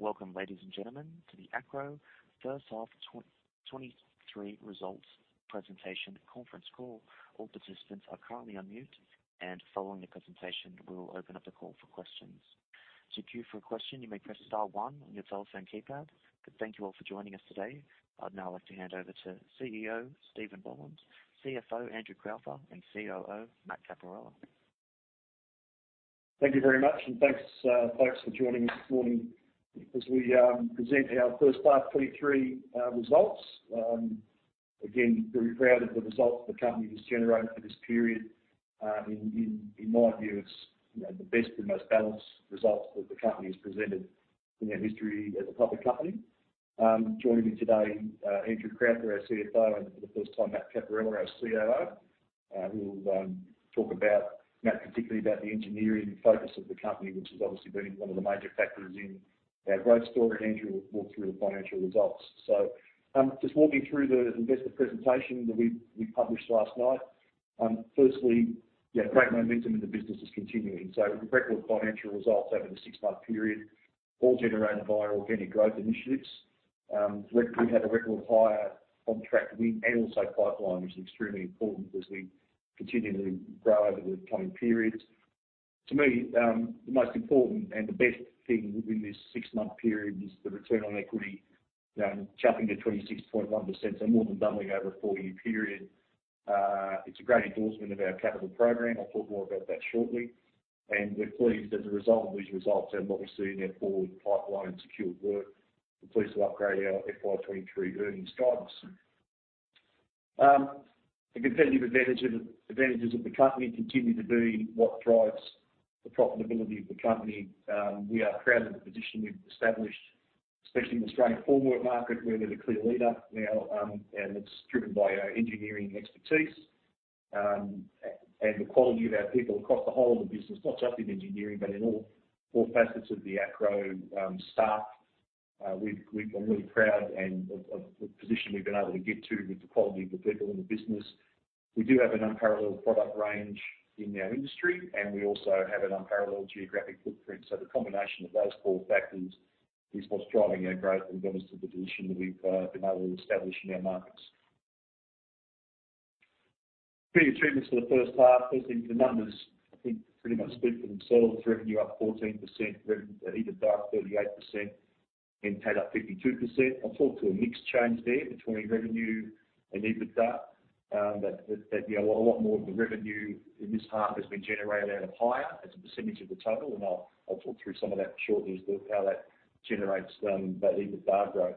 Welcome, ladies and gentlemen, to the Acrow first half 2023 results presentation conference call. All participants are currently on mute. Following the presentation, we'll open up the call for questions. To queue for a question, you may press star one on your telephone keypad. Thank you all for joining us today. I'd now like to hand over to CEO, Steven Boland, CFO, Andrew Crowther, and COO, Matthew Caporella. Thank you very much, thanks, folks for joining this morning as we present our first half 2023 results. Again, very proud of the results the company has generated for this period. In my view, it's, you know, the best and most balanced results that the company has presented in our history as a public company. Joining me today, Andrew Crowther, our CFO, and for the first time, Matthew Caporella, our COO. We'll talk about, Matt, particularly about the engineering focus of the company, which has obviously been one of the major factors in our growth story, and Andrew will walk through the financial results. Just walking through the investor presentation that we published last night. Firstly, great momentum in the business is continuing. Record financial results over the 6-month period, all generated by our organic growth initiatives. We had a record higher contract win and also pipeline, which is extremely important as we continue to grow over the coming periods. To me, the most important and the best thing within this 6-month period is the return on equity, jumping to 26.1%, so more than doubling over a 4-year period. It's a great endorsement of our capital program. I'll talk more about that shortly. We're pleased as a result of these results and what we see in our forward pipeline secured work. We're pleased to upgrade our FY 2023 earnings guidance. The competitive advantages of the company continue to be what drives the profitability of the company. We are proud of the position we've established, especially in the Australian formwork market, where we're the clear leader now, and it's driven by our engineering expertise, and the quality of our people across the whole of the business, not just in engineering, but in all facets of the Acrow staff. I'm really proud and of the position we've been able to get to with the quality of the people in the business. We do have an unparalleled product range in our industry, and we also have an unparalleled geographic footprint. The combination of those four factors is what's driving our growth and got us to the position that we've been able to establish in our markets. Key achievements for the first half. Firstly, the numbers I think pretty much speak for themselves. Revenue up 14%, EBITDA up 38%, NPAT up 52%. I talked to a mix change there between revenue and EBITDA, that, you know, a lot more of the revenue in this half has been generated out of hire as a percentage of the total, and I'll talk through some of that shortly as to how that generates that EBITDA growth.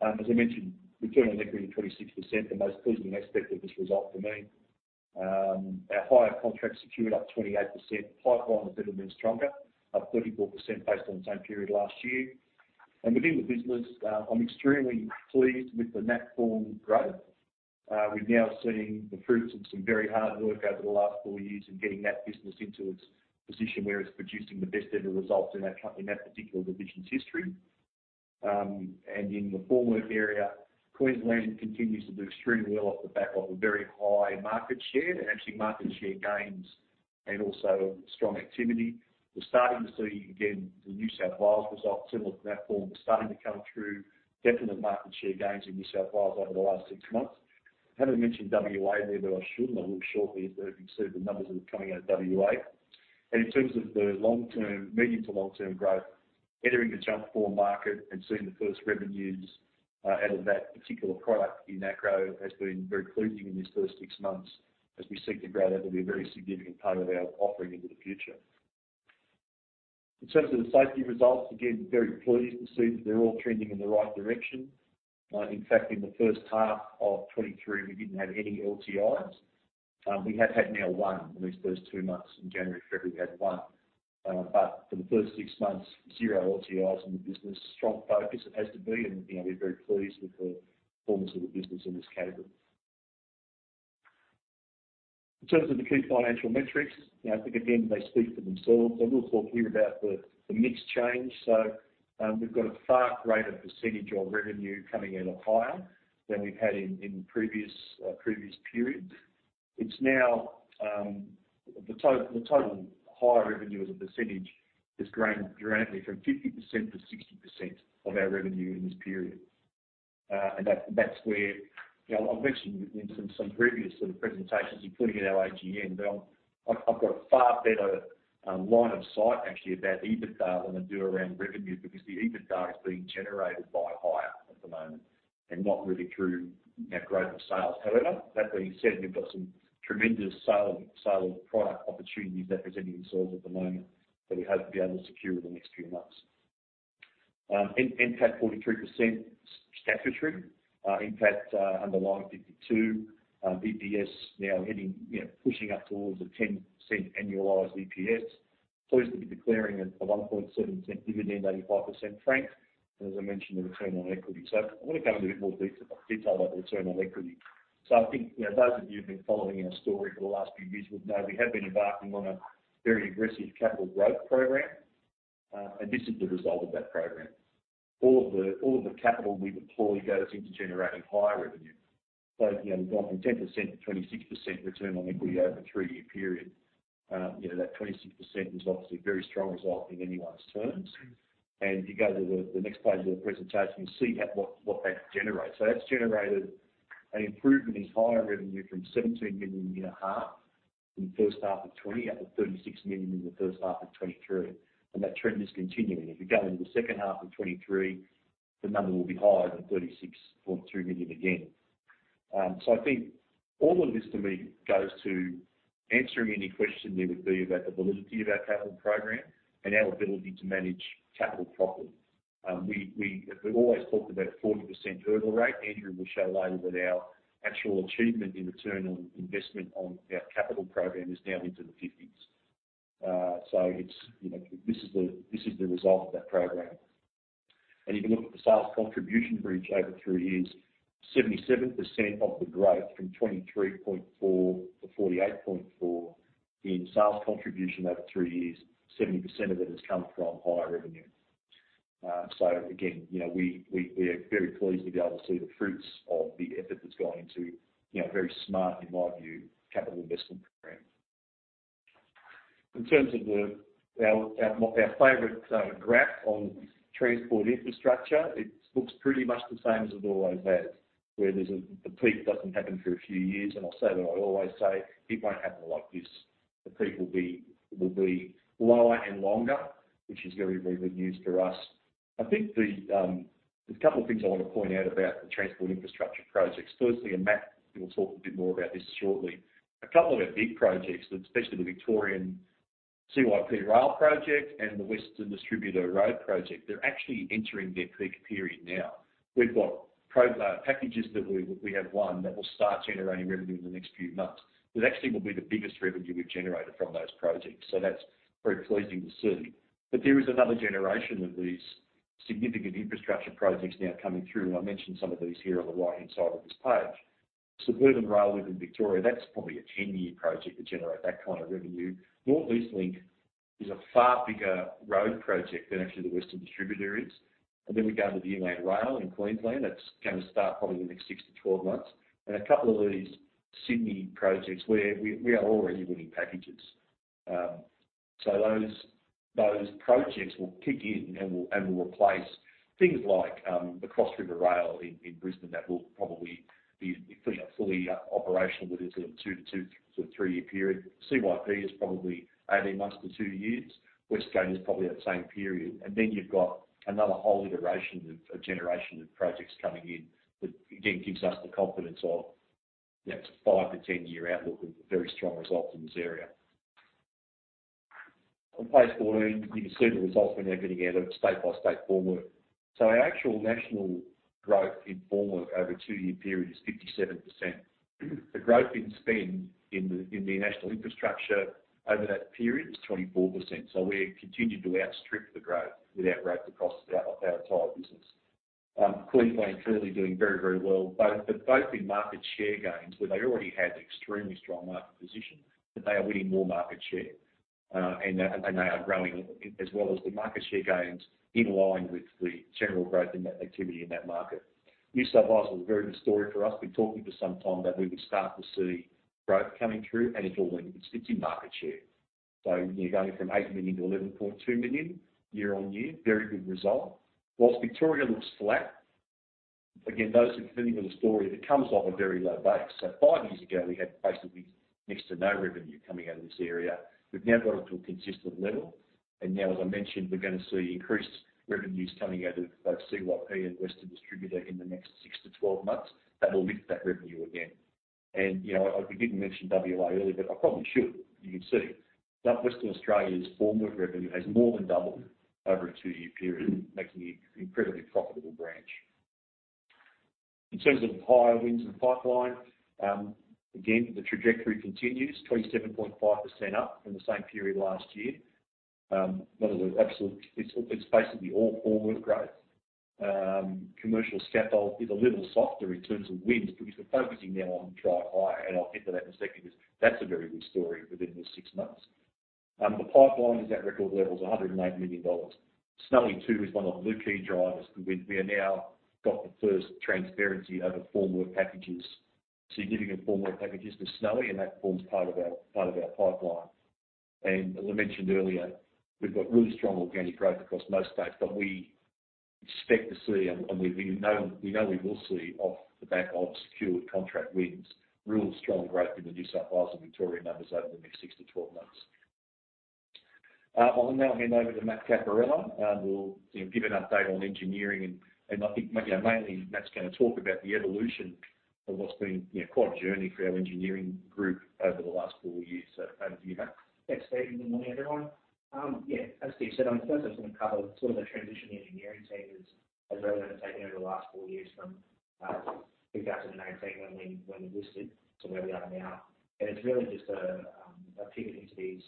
As I mentioned, return on equity, 26%, the most pleasing aspect of this result for me. Our hire contracts secured up 28%. Pipeline has never been stronger, up 34% based on the same period last year. Within the business, I'm extremely pleased with the Natform growth. We're now seeing the fruits of some very hard work over the last four years in getting that business into its position where it's producing the best ever results in that particular division's history. In the formwork area, Queensland continues to do extremely well off the back of a very high market share and actually market share gains and also strong activity. We're starting to see again, the New South Wales result similar to Natform. We're starting to come through definite market share gains in New South Wales over the last six months. Haven't mentioned WA there, but I should, and I'll look shortly as to see the numbers that are coming out of WA. In terms of the long term, medium to long term growth, entering the Jumpform market and seeing the first revenues out of that particular product in Acrow has been very pleasing in this first 6 months as we seek to grow that will be a very significant part of our offering into the future. In terms of the safety results, again, very pleased to see that they're all trending in the right direction. In fact, in the first half of 2023, we didn't have any LTIs. We have had now 1 in these first 2 months. In January, February, we had 1. But for the first 6 months, zero LTIs in the business. Strong focus it has to be, and, you know, we're very pleased with the performance of the business in this category. In terms of the key financial metrics, you know, I think again, they speak for themselves. I will talk here about the mix change. We've got a far greater percentage of revenue coming out of hire than we've had in previous periods. It's now, the total hire revenue as a percentage has grown dramatically from 50% to 60% of our revenue in this period. That's where, you know, I've mentioned in some previous sort of presentations, including at our AGM, but I've got a far better line of sight actually about EBITDA than I do around revenue because the EBITDA is being generated by hire at the moment and not really through our growth in sales. That being said, we've got some tremendous sale of product opportunities that we're presenting ourselves at the moment that we hope to be able to secure in the next few months. NPAT 43% Statutory. NPAT underlying 52%. EPS now heading, you know, pushing up towards a 10% annualized EPS. Pleased to be declaring a 0.017 dividend, 85% franked. As I mentioned, the return on equity. I wanna go into a bit more detail about the return on equity. I think, you know, those of you who've been following our story for the last few years would know we have been embarking on a very aggressive capital growth program, and this is the result of that program. All of the capital we deploy goes into generating higher revenue. You know, we've gone from 10% to 26% return on equity over a 3-year period. You know, that 26% is obviously a very strong result in anyone's terms. You go to the next page of the presentation, you see what that generates. That's generated an improvement in higher revenue from 17 million in the first half of 2020, up to 36 million in the first half of 2023. That trend is continuing. If you go into the second half of 2023, the number will be higher than 36.2 million again. I think all of this to me goes to answering any question there would be about the validity of our capital program and our ability to manage capital properly. We've always talked about 40% hurdle rate. Andrew will show later that our actual achievement in return on investment on our capital program is now into the 50s. It's, you know, this is the result of that program. You can look at the sales contribution bridge over three years. 77% of the growth from 23.4 to 48.4 in sales contribution over three years, 70% of it has come from higher revenue. Again, you know, we are very pleased to be able to see the fruits of the effort that's gone into, you know, very smart, in my view, capital investment program. In terms of the, our favorite graph on transport infrastructure, it looks pretty much the same as it always has. Where the peak doesn't happen for a few years. I'll say that I always say, it won't happen like this. The peak will be lower and longer, which is very, very good news for us. I think the, there's a couple of things I want to point out about the transport infrastructure projects. Firstly, Matt will talk a bit more about this shortly. A couple of our big projects, especially the Victorian CYP Rail project and the Western Distributor Road project, they're actually entering their peak period now. We've got packages that we have won that will start generating revenue in the next few months. That actually will be the biggest revenue we've generated from those projects. That's very pleasing to see. There is another generation of these significant infrastructure projects now coming through. I mentioned some of these here on the right-hand side of this page. Suburban Rail Loop in Victoria, that's probably a 10-year project to generate that kind of revenue. North East Link is a far bigger road project than actually the Western Distributor is. We go to the Inland Rail in Queensland, that's gonna start probably in the next 6 to 12 months. A couple of these Sydney projects where we are already winning packages. Those projects will kick in and will replace things like the Cross River Rail in Brisbane that will probably be fully operational within a two to three-year period. CYP is probably 18 months to two years. West Gate is probably that same period. You've got another whole iteration of generation of projects coming in that again, gives us the confidence of, you know, it's a 5-10-year outlook with very strong results in this area. On page 14, you can see the results we're now getting out of state by state formwork. Our actual national growth in formwork over a 2-year period is 57%. The growth in spend in the national infrastructure over that period is 24%. We continue to outstrip the growth with our growth across our entire business. Queensland clearly doing very, very well, both in market share gains, where they already had extremely strong market position, but they are winning more market share. They are growing as well as the market share gains in line with the general growth in that activity in that market. New South Wales is a very good story for us. We've talked for some time that we would start to see growth coming through, it's all in, it's in market share. You're going from 8 million to 11.2 million year-on-year, very good result. Whilst Victoria looks flat, again, those who are familiar with the story, it comes off a very low base. 5 years ago, we had basically next to no revenue coming out of this area. We've now got it to a consistent level. Now, as I mentioned, we're gonna see increased revenues coming out of both CYP and Western Distributor in the next 6-12 months. That will lift that revenue again. You know, we didn't mention WA earlier, but I probably should. You can see, Western Australia's formwork revenue has more than doubled over a two-year period, making it an incredibly profitable branch. In terms of higher wins in the pipeline, again, the trajectory continues 27.5% up from the same period last year. One of the absolute, it's basically all formwork growth. Commercial scaffold is a little softer in terms of wins because we're focusing now on dry hire, and I'll get to that in a second because that's a very good story within this six months. The pipeline is at record levels, 108 million dollars. Snowy 2.0 is one of the key drivers. We have now got the first transparency over formwork packages, significant formwork packages for Snowy, that forms part of our pipeline. As I mentioned earlier, we've got really strong organic growth across most states, but we expect to see and we know we will see off the back of secured contract wins, really strong growth in the New South Wales and Victoria numbers over the next 6-12 months. I'll now hand over to Matthew Caporella, we'll, you know, give an update on engineering, and I think, you know, mainly, Matthew's going to talk about the evolution of what's been, you know, quite a journey for our engineering group over the last 4 years. Over to you, Matt. Thanks, Steve. Good morning, everyone. As Steve said, first I just wanna cover sort of the transition the engineering team has really undertaken over the last four years from 2018 when we listed to where we are now. It's really just a pivot into these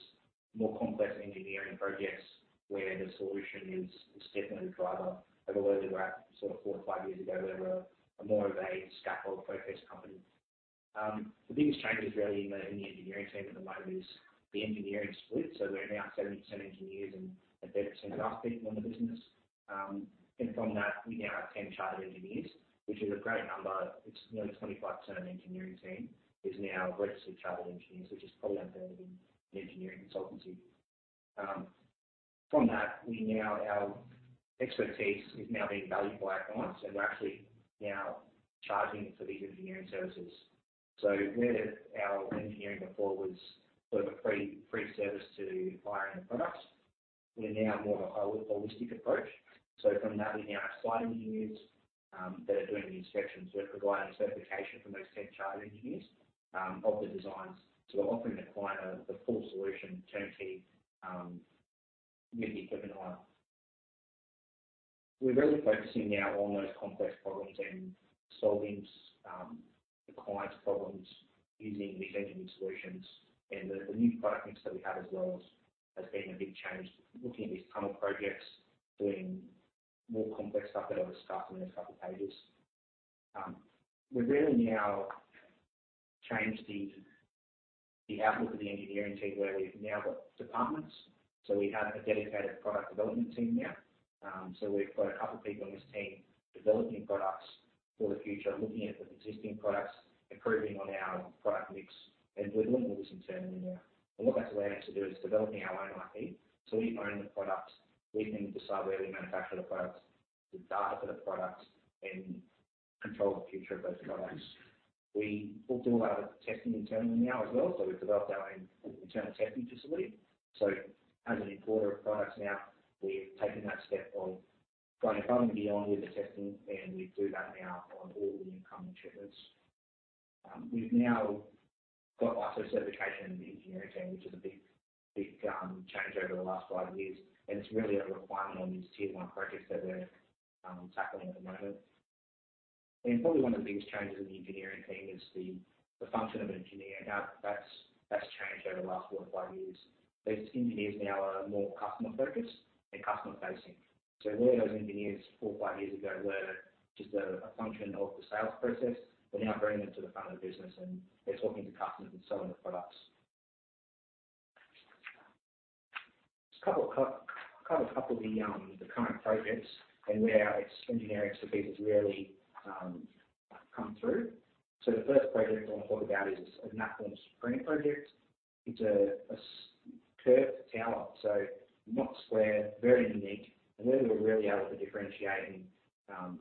more complex engineering projects where the solution is definitely the driver. Where we were at sort of four or five years ago, we were more of a scaffold-focused company. The biggest change is really in the engineering team at the moment is the engineering split. We're now 70% engineers and 30% office people in the business. From that, we now have 10 chartered engineers, which is a great number. It's nearly 25% of the engineering team is now registered chartered engineers, which is probably unheard of in engineering consultancy. From that, our expertise is now being valued by our clients, we're actually now charging for these engineering services. Where our engineering before was sort of a free service to buying the products, we're now more of a holistic approach. From that, we now have site engineers that are doing the inspections. We're providing certification from those 10 chartered engineers of the designs. We're offering the client the full solution turnkey with the equipment hire. We're really focusing now on those complex problems and solving the client's problems using these engineering solutions. The new product mix that we have as well has been a big change. Looking at these tunnel projects, doing more complex stuff that I'll discuss in a couple pages. We've really now changed the outlook of the engineering team, where we've now got departments. We have a dedicated product development team now. We've got a couple people in this team developing products for the future, looking at the existing products, improving on our product mix, and we're doing all this internally now. What that's allowing us to do is developing our own IP. We own the products, we can decide where we manufacture the products, the data for the products, and control the future of those products. We also do a lot of testing internally now as well. We've developed our own internal testing facility. As an importer of products now, we've taken that step of going a step beyond with the testing. We do that now on all the incoming shipments. We've now got ISO certification in the engineering team, which is a big change over the last 5 years. It's really a requirement on these tier one projects that we're tackling at the moment. Probably one of the biggest changes in the engineering team is the function of an engineer. That's changed over the last 4-5 years. Those engineers now are more customer-focused and customer-facing. Where those engineers 4 or 5 years ago were just a function of the sales process, we're now bringing them to the front of the business. They're talking to customers and selling the products. Cover a couple of the current projects and where our engineering expertise has really come through. The first project I want to talk about is the Knaphill screen project. It's a curved tower, so not square, very unique. Where we were really able to differentiate and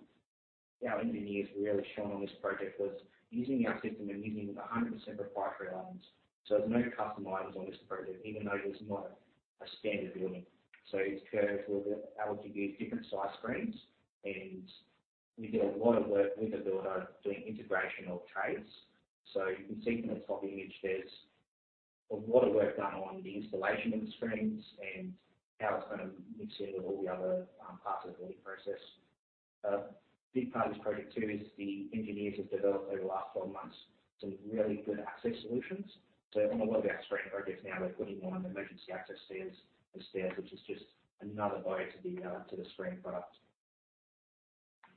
our engineers really shone on this project was using our system and using 100% proprietary items. There's no custom items on this project, even though it's not a standard building. It's curved. We were able to use different size screens, and we did a lot of work with the builder doing integration of trades. You can see from the top image there's a lot of work done on the installation of the screens and how it's gonna mix in with all the other parts of the building process. A big part of this project too is the engineers have developed over the last 12 months some really good access solutions. On a lot of our screen projects now, we're putting on emergency access stairs, the stairs, which is just another buy to the to the screen product.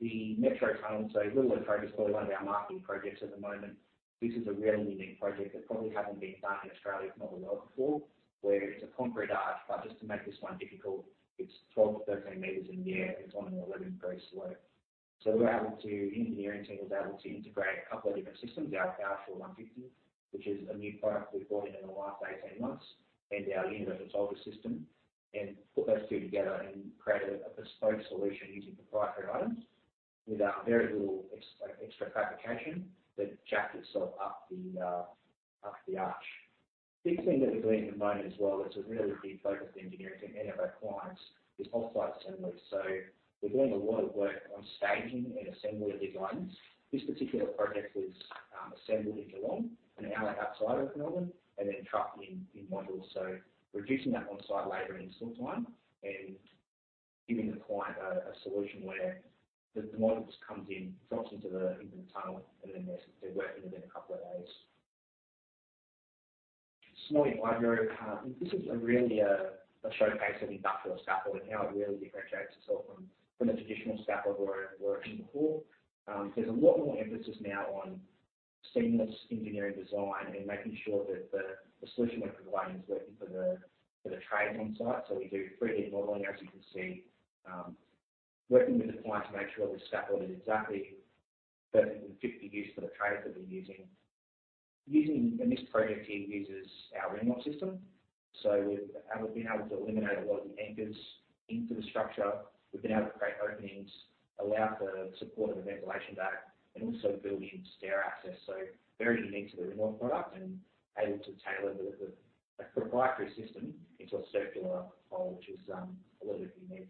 The Metro Tunnel. A little intro. It's probably one of our marketing projects at the moment. This is a really unique project that probably haven't been done in Australia, if not the world before, where it's a concrete arch. Just to make this one difficult, it's 12-13 meters in the air. It's on an 11 degree slope. The engineering team was able to integrate a couple of different systems, our Powershore 150, which is a new product we've brought in in the last 18 months, and our Universal Soldier System, and put those two together and created a bespoke solution using proprietary items with very little extra fabrication that jackets sort of up the up the arch. Big thing that we're doing at the moment as well, it's a really big focus of the engineering team and of our clients is offsite assembly. We're doing a lot of work on staging and assembly of these items. This particular project was assembled in Geelong, 1 hour outside of Melbourne, and then trucked in in modules. Reducing that on-site labor and install time and giving the client a solution where the module just comes in, drops into the tunnel, and then they're working within a couple of days. Small library, this is a really a showcase of industrial scaffolding, how it really differentiates itself from a traditional scaffold or erection before. There's a lot more emphasis now on seamless engineering design and making sure that the solution we're providing is working for the trades on-site. We do 3D modeling, as you can see, working with the client to make sure the scaffold is exactly perfect and fit the use for the trades that we're using. And this project here uses our Ringlock system. We've been able to eliminate a lot of the anchors into the structure. We've been able to create openings, allow for support of the ventilation duct, and also build in stair access. Very unique to the Ringlock product and able to tailor a proprietary system into a circular hole, which is a little bit unique.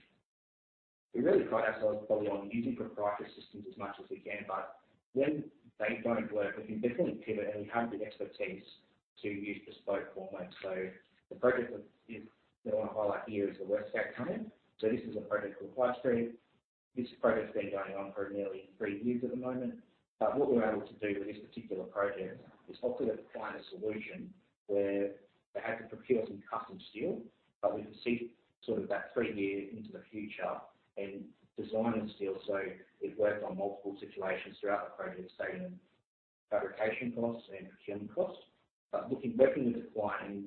We really pride ourselves probably on using proprietary systems as much as we can, but when they don't work, we can definitely pivot, and we have the expertise to use bespoke formats. The project that we want to highlight here is the West Gate Tunnel. This is a project for Freyssinet. This project's been going on for nearly 3 years at the moment. What we were able to do with this particular project is offer the client a solution where they had to procure some custom steel, but we could see sort of that three years into the future and design the steel so it worked on multiple situations throughout the project, saving fabrication costs and procurement costs. Working with the client and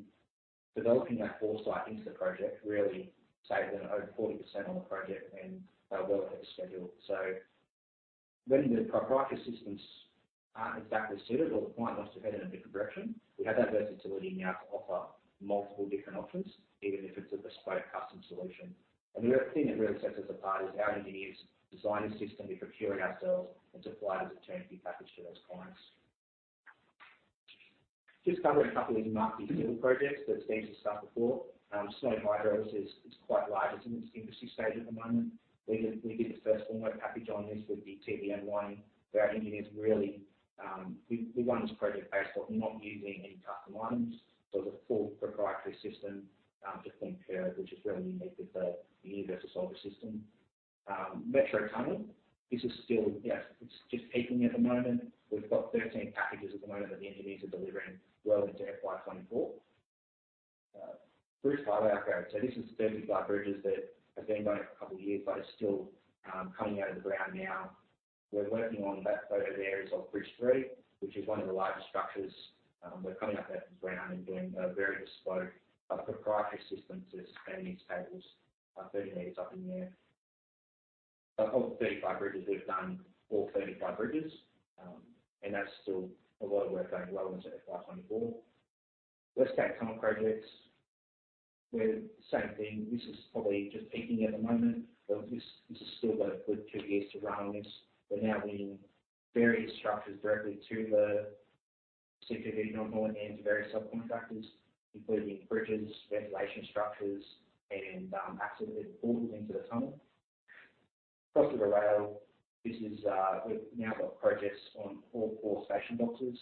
developing that foresight into the project really saved them over 40% on the project, and they were well ahead of schedule. When the proprietary systems aren't exactly suited or the client wants to head in a different direction, we have that versatility now to offer multiple different options, even if it's a bespoke custom solution. The other thing that really sets us apart is our engineers design the system, we procure it ourselves, and supply it as a turnkey package to those clients. Just covering a couple of these marquee civil projects that Steve's discussed before. Snowy Hydro is quite large. It's in its infancy stage at the moment. We did the first formwork package on this with the TBM 1, where our engineers really, we won this project based off not using any custom items. it was a full proprietary system to compare, which is really unique with the Universal Soldier System. Metro Tunnel. This is still, yeah, it's just peaking at the moment. We've got 13 packages at the moment that the engineers are delivering well into FY 2024. Bruce Highway Upgrade. this is 35 bridges that have been going for a couple of years, it's still coming out of the ground now. We're working on that photo there is of bridge 3, which is one of the larger structures. We're coming up that ground and doing a very bespoke proprietary system to suspend these cables 30 meters up in the air. Of the 35 bridges, we've done all 35 bridges, and that's still a lot of work going well into FY 2024. West Gate Tunnel Projects. With the same thing, this is probably just peaking at the moment, but this has still got a good 2 years to run on this. We're now winning various structures directly to the CPB Contractors and to various subcontractors, including bridges, ventilation structures and access portals into the tunnel. Cross River Rail. This is, we've now got projects on all 4 station boxes,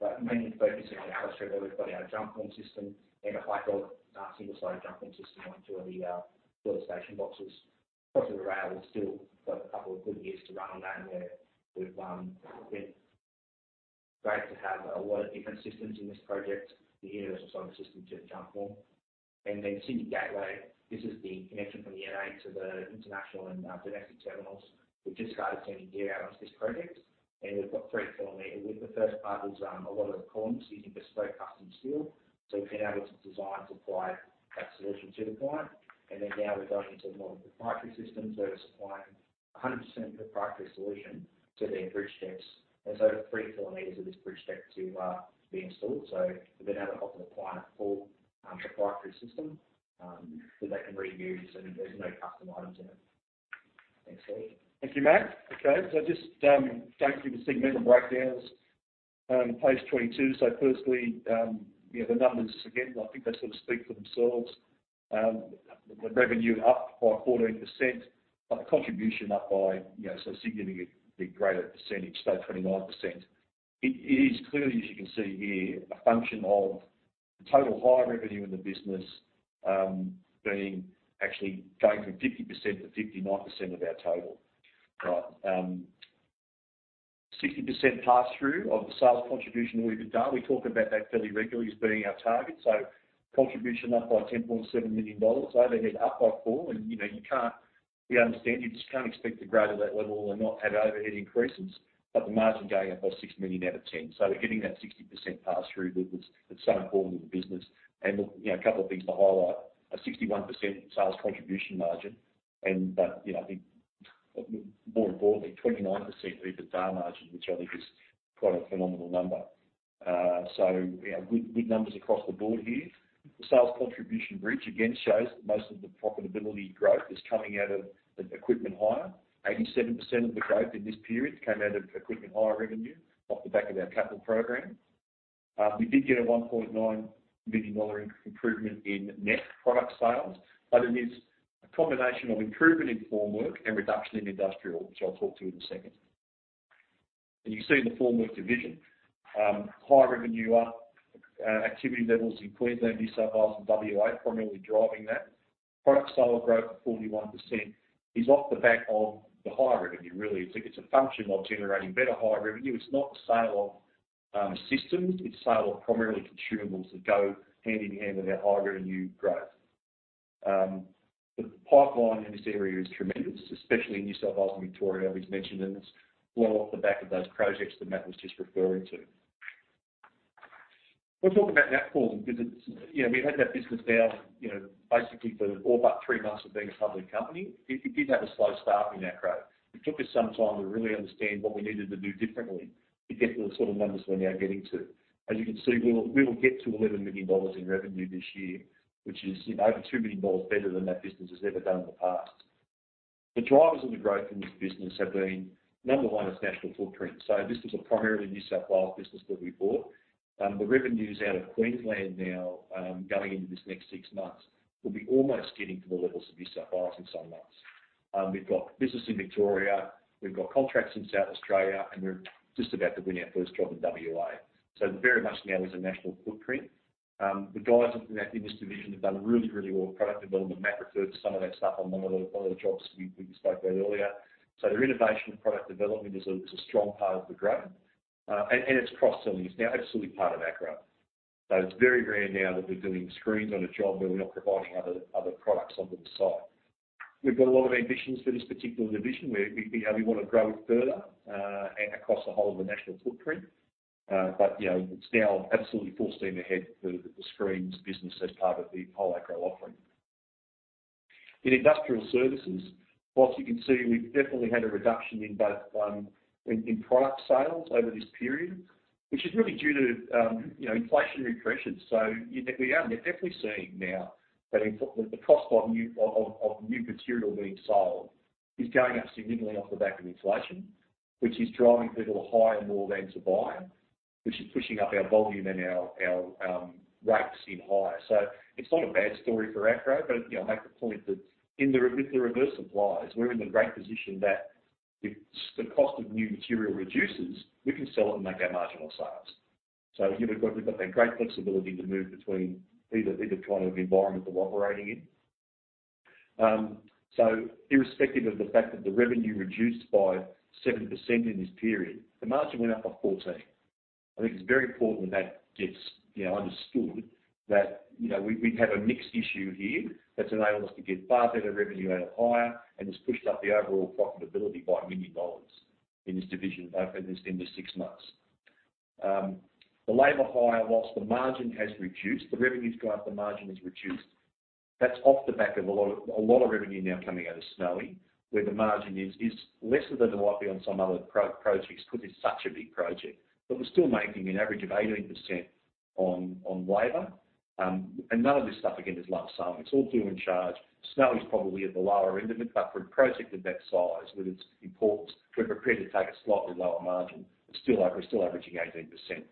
but mainly focusing on Albert Street. We've got our Jumpform system and a hydraulic, single slide Jumpform system going to the four station boxes. Cross River Rail, we've still got a couple of good years to run on that, and we've been great to have a lot of different systems in this project, the Universal Soldier System to the Jumpform. Sydney Gateway. This is the connection from the M8 to the international and domestic terminals. We've just started sending gear out onto this project, and we've got 3 km. The first part is a lot of the columns using bespoke custom steel. So we've been able to design, supply that solution to the client. Now we're going into more of the proprietary systems. We're supplying 100% proprietary solution to their bridge decks. There's over 3 km of this bridge deck to be installed. We've been able to offer the client a full proprietary system that they can reuse, and there's no custom items in it. Thanks, Steve. Thank you, Matt. Just going through the segment breakdowns, page 22. Firstly, you know, the numbers again, I think they sort of speak for themselves. The revenue up by 14%, but the contribution up by, you know, so significantly greater percentage, so 29%. It is clearly, as you can see here, a function of the total higher revenue in the business, being actually going from 50% to 59% of our total, right? 60% pass-through of the sales contribution, EBITDA. We talk about that fairly regularly as being our target. Contribution up by 10.7 million dollars, overhead up by 4 million. You know, we understand, you just can't expect to grow to that level and not have overhead increases, but the margin going up by 6 million out of 10 million. We're getting that 60% pass-through that's so important to the business. Look, you know, a couple of things to highlight. A 61% sales contribution margin and, you know, I think more importantly, 29% EBITDA margin, which I think is quite a phenomenal number. Yeah, good numbers across the board here. The sales contribution bridge again shows that most of the profitability growth is coming out of equipment hire. 87% of the growth in this period came out of equipment hire revenue off the back of our capital program. We did get a 1.9 million dollar improvement in net product sales, but it is a combination of improvement in formwork and reduction in industrial, which I'll talk to in a second. you see in the formwork division, hire revenue up, activity levels in Queensland, New South Wales and WA primarily driving that. Product sale growth of 41% is off the back of the hire revenue, really. It's like, it's a function of generating better hire revenue. It's not the sale of systems, it's sale of primarily consumables that go hand in hand with our hire revenue growth. The pipeline in this area is tremendous, especially in New South Wales and Victoria. We've mentioned, it's all off the back of those projects that Matt was just referring to. We'll talk about Natform because it's, you know, we've had that business now, you know, basically for all but 3 months of being a public company. It, it did have a slow start being Natform. It took us some time to really understand what we needed to do differently to get to the sort of numbers we're now getting to. As you can see, we will get to 11 million dollars in revenue this year, which is, you know, over 2 million dollars better than that business has ever done in the past. The drivers of the growth in this business have been, number one, its national footprint. This was a primarily New South Wales business that we bought. The revenues out of Queensland now, going into this next 6 months, will be almost getting to the levels of New South Wales in some months. We've got business in Victoria, we've got contracts in South Australia, and we're just about to win our first job in WA. Very much now there's a national footprint. The guys up in this division have done really, really well with product development. Matt referred to some of that stuff on one of the jobs we spoke about earlier. Their innovation and product development it's a strong part of the growth. It's cross-selling is now absolutely part of that growth. It's very rare now that we're doing screens on a job where we're not providing other products onto the site. We've got a lot of ambitions for this particular division, where, you know, we wanna grow it further across the whole of the national footprint. You know, it's now absolutely full steam ahead for the screens business as part of the whole Acrow offering. In industrial services, whilst you can see we've definitely had a reduction in both in product sales over this period, which is really due to, you know, inflationary pressures. We are definitely seeing now that the cost of new material being sold is going up significantly off the back of inflation, which is driving people to hire more than to buy, which is pushing up our volume and our rates in hire. It's not a bad story for Acrow, but, you know, I make the point that if the reverse applies, we're in a great position that if the cost of new material reduces, we can sell it and make our marginal sales. You know, we've got that great flexibility to move between either kind of environment that we're operating in. Irrespective of the fact that the revenue reduced by 7% in this period, the margin went up by 14%. I think it's very important that gets, you know, understood that, you know, we have a mixed issue here that's enabled us to get far better revenue out of hire, and it's pushed up the overall profitability by many dollars in this division over this 6 months. The labor hire, whilst the margin has reduced, the revenue's gone up, the margin has reduced. That's off the back of a lot of revenue now coming out of Snowy where the margin is lesser than it might be on some other projects because it's such a big project. We're still making an average of 18% on labor. None of this stuff again is lump sum. It's all fuel and charge. Snowy's probably at the lower end of it, but for a project of that size, where it's important, we're prepared to take a slightly lower margin. We're still averaging 18%.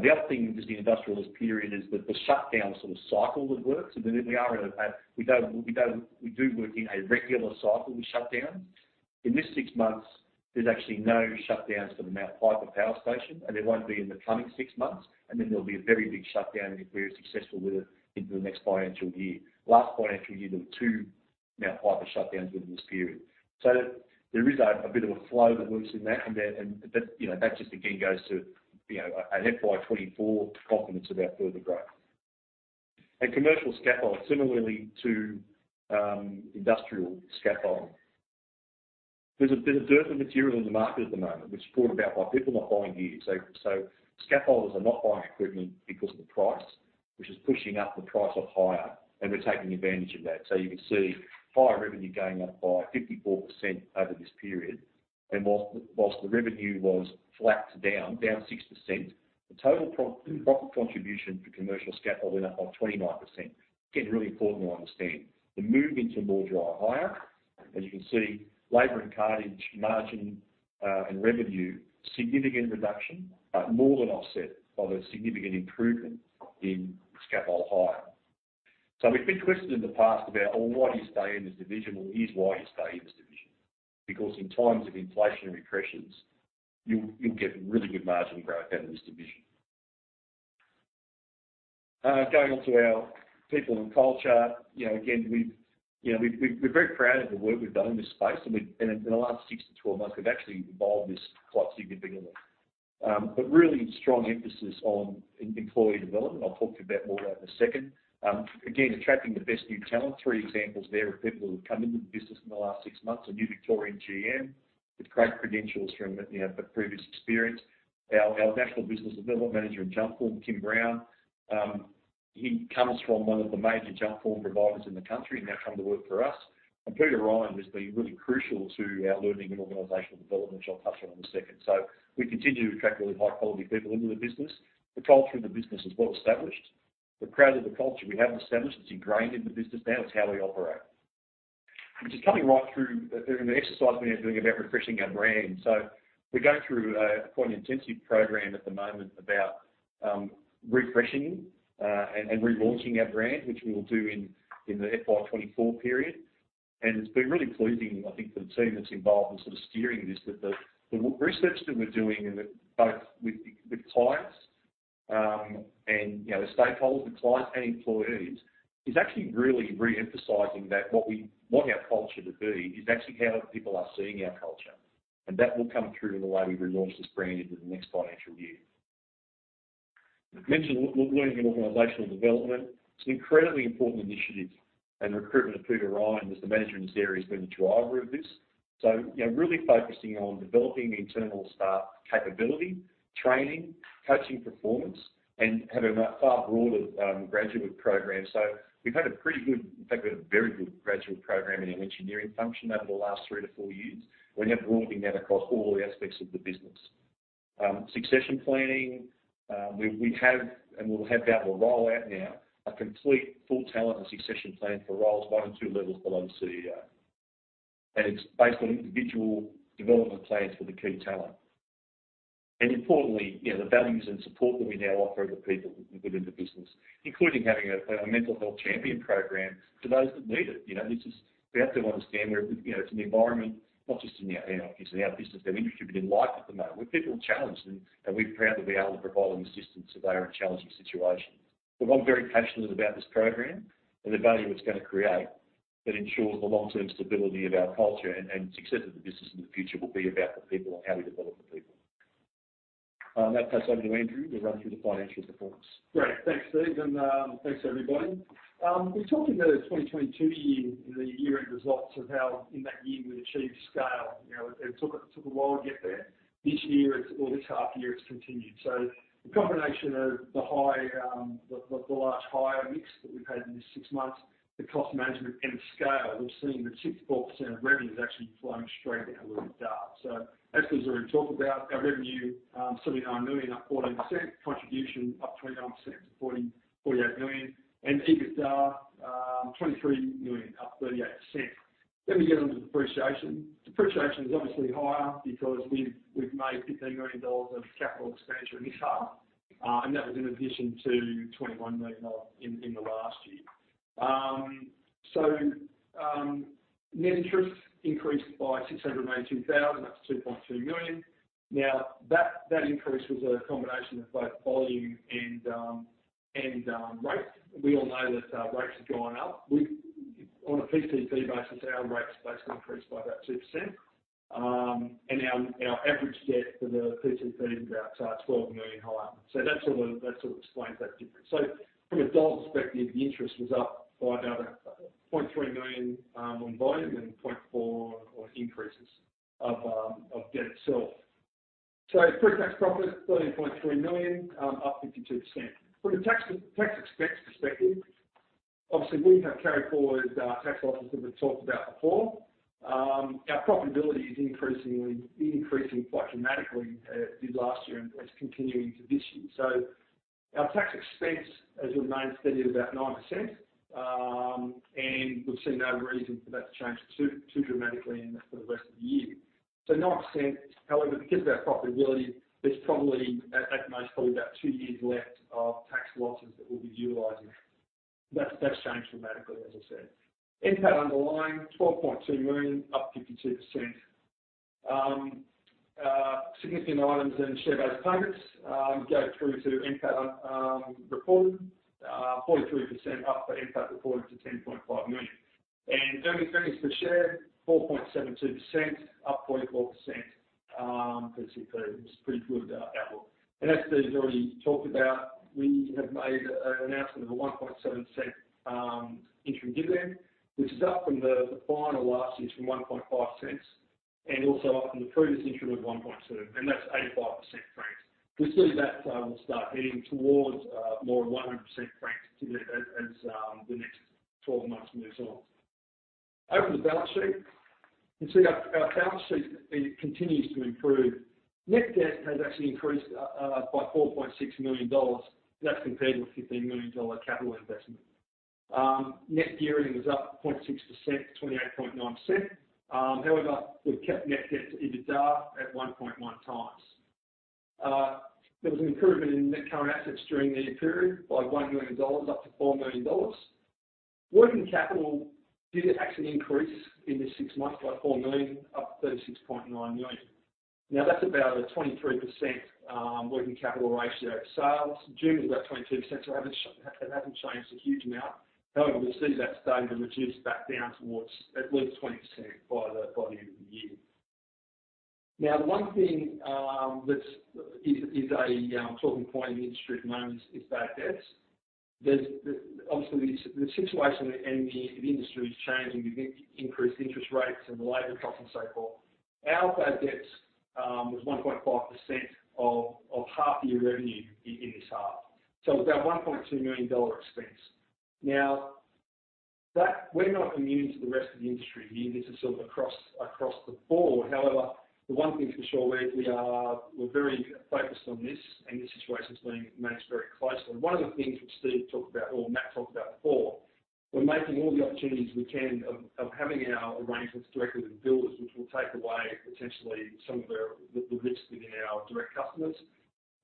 The other thing with the industrial this period is the shutdown sort of cycle that works. We are in a regular cycle with shutdowns. In this six months, there's actually no shutdowns for the Mount Piper Power Station, and there won't be in the coming six months, and then there'll be a very big shutdown, if we're successful with it, into the next financial year. Last financial year, there were two Mount Piper shutdowns within this period. There is a bit of a flow that works in that. That, you know, that just again goes to, you know, an FY 2024 confidence about further growth. Commercial scaffold, similarly to industrial scaffolding. There's a bit of dearth of material in the market at the moment, which is brought about by people not buying gear. Scaffolders are not buying equipment because of the price, which is pushing up the price of hire, and we're taking advantage of that. You can see hire revenue going up by 54% over this period. Whilst the revenue was flat to down 6%, the total pro-profit contribution for commercial scaffold went up by 29%. Again, really important to understand. The move into more dry hire, as you can see, labor and cartage, margin, and revenue, significant reduction, more than offset by the significant improvement in scaffold hire. We've been questioned in the past about, "Well, why do you stay in this division?" Well, here's why you stay in this division. Because in times of inflationary pressures, you'll get really good margin growth out of this division. Going on to our people and culture. You know, again, we've, we're very proud of the work we've done in this space, and in the last 6-12 months, we've actually evolved this quite significantly. Really strong emphasis on employee development. I'll talk to you about more of that in 1 second. Again, attracting the best new talent. 3 examples there of people who have come into the business in the last 6 months. A new Victorian GM with great credentials from, you know, previous experience. Our National Business Development Manager in Jumpform, Kim Brown, he comes from one of the major Jumpform providers in the country, now come to work for us. Peter Ryan, who's been really crucial to our Learning and Organizational Development, which I'll touch on in a second. We continue to attract really high-quality people into the business. The culture of the business is well established. We're proud of the culture we have established. It's ingrained in the business now. It's how we operate. Which is coming right through through an exercise we are doing about refreshing our brand. We're going through quite an intensive program at the moment about refreshing and relaunching our brand, which we will do in the FY 2024 period. It's been really pleasing, I think, for the team that's involved in sort of steering this, that the research that we're doing and both with clients, and you know, the stakeholders, the clients and employees, is actually really re-emphasizing that what we want our culture to be is actually how people are seeing our culture. That will come through in the way we relaunch this brand into the next financial year. I've mentioned learning and organizational development. It's an incredibly important initiative, and the recruitment of Peter Ryan as the manager in this area has been the driver of this. You know, really focusing on developing the internal staff capability, training, coaching performance, and have a much far broader graduate program. We've had a pretty good, in fact, we had a very good graduate program in our engineering function over the last three to four years. We're now broadening that across all aspects of the business. Succession planning, we have, and we'll have about to roll out now, a complete full talent and succession plan for roles one or two levels below the CEO. It's based on individual development plans for the key talent. Importantly, you know, the values and support that we now offer the people within the business, including having a mental health champion program for those that need it. You know, this is, we have to understand we're, you know, it's an environment, not just in our business and our industry, but in life at the moment, where people are challenged and we're proud to be able to provide them assistance if they are in a challenging situation. I'm very passionate about this program and the value it's gonna create that ensures the long-term stability of our culture and success of the business in the future will be about the people and how we develop the people. Now pass over to Andrew to run through the financial performance. Great. Thanks, Steve, thanks everybody. We talked about 2022 year, the year-end results of how in that year we achieved scale. You know, it took a while to get there. This year, or this half year, it's continued. The combination of the high the large hire mix that we've had in this six months, the cost management and the scale, we've seen the 64% of revenue is actually flowing straight down to our EBITDA. As we've already talked about, our revenue, AUD 79 million, up 14%, contribution up 29% to 48 million, and EBITDA, 23 million, up 38%. Let me get on to depreciation. Depreciation is obviously higher because we've made 15 million dollars of capital expenditure in this half, and that was in addition to 21 million in the last year. Net interest increased by 692,000, that's 2.2 million. Now, that increase was a combination of both volume and rate. We all know that rates have gone up. On a PCP basis, our rates basically increased by about 2%. And our average debt for the PCP is about 12 million higher. That sort of explains that difference. From a dollar perspective, the interest was up by about 0.3 million on volume and 0.4 million on increases of debt itself. Pre-tax profit, 13.3 million, up 52%. From a tax expense perspective, obviously we have carry forward tax losses that we've talked about before. Our profitability is increasing quite dramatically, did last year and it's continuing to this year. Our tax expense has remained steady at about 9%, and we've seen no reason for that to change too dramatically for the rest of the year. 9%, however, because of our profitability, there's probably at most about 2 years left of tax losses that we'll be utilizing. That's changed dramatically, as I said. NPAT underlying, 12.2 million, up 52%. Significant items and share-based payments go through to NPAT reporting, 43% up for NPAT reporting to 10.5 million. Earnings per share, 4.72%, up 44% PCP. It's pretty good outlook. As Steven Boland's already talked about, we have made an announcement of an 0.017 interim dividend, which is up from the final last year's from 0.015, and also up from the previous interim of 0.012, and that's 85% franked. We see that will start heading towards more of 100% franked dividend as the next 12 months moves on. Over to the balance sheet. You can see our balance sheet it continues to improve. Net debt has actually increased by 4.6 million dollars. That's compared with 15 million dollar capital investment. Net gearing was up 0.6% to 28.9%. However, we've kept net debt to EBITDA at 1.1x. There was an improvement in net current assets during the period by 1 million dollars, up to 4 million dollars. Working capital did actually increase in this 6 months by 4 million, up to 36.9 million. That's about a 23% working capital ratio of sales. June was about 22%, so it hasn't changed a huge amount. We see that starting to reduce back down towards at least 20% by the end of the year. One thing that's a talking point in the industry at the moment is bad debts. Obviously the situation in the industry is changing with increased interest rates and labor costs and so forth. Our bad debts was 1.5% of half-year revenue in this half. About 1.2 million dollar expense. Now that we're not immune to the rest of the industry, this is sort of across the board. The one thing for sure is we are, we're very focused on this, and this situation is being managed very closely. One of the things which Steve talked about, or Matt talked about before, we're making all the opportunities we can of having our arrangements directly with builders, which will take away potentially some of the risks within our direct customers.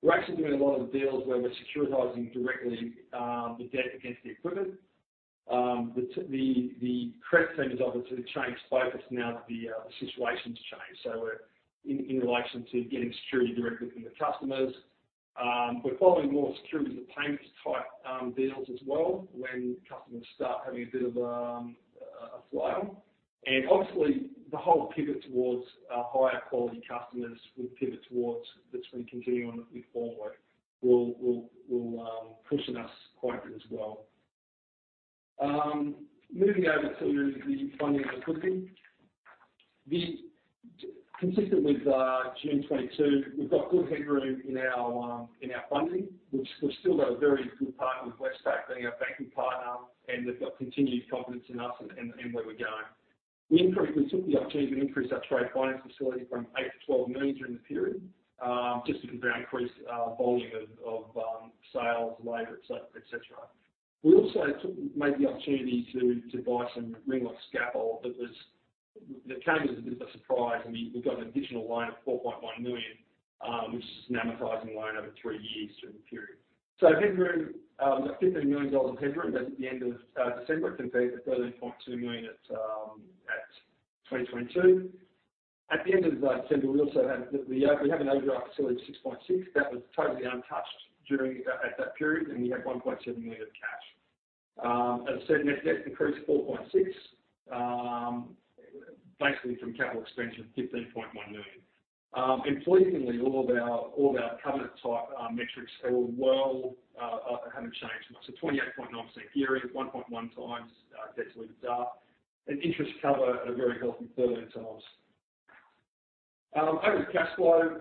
We're actually doing a lot of deals where we're securitizing directly the debt against the equipment. The credit team has obviously changed focus now that the situation's changed. We're in relation to getting security directly from the customers. We're following more security with payments type deals as well when customers start having a bit of a slowdown. Obviously the whole pivot towards higher quality customers with pivot towards that's been continuing on with formwork will cushion us quite a bit as well. Moving over to the funding and the cooking. Consistent with June 2022, we've got good headroom in our funding, which we've still got a very good partner with Westpac being our banking partner, and they've got continued confidence in us and where we're going. We took the opportunity to increase our trade finance facility from 8 million-12 million during the period, just because of our increased volume of sales, labor, et cetera. We also took. made the opportunity to buy some Ringlock scaffold that came as a bit of a surprise. We got an additional loan of 4.1 million, which is an amortizing loan over 3 years during the period. Headroom, we've got 15 million dollars of headroom. That's at the end of December compared to 13.2 million at 2022. At the end of December, We have an overdraft facility of 6.6 million. That was totally untouched during at that period, and we had 1.7 million of cash. As I said, net debt increased 4.6 million, basically from capital expenditure of 15.1 million. Pleasingly, all of our covenant type metrics are well haven't changed much. 28.9 securities, 1.1x debt service and interest cover at a very healthy 13x. Over to cash flow.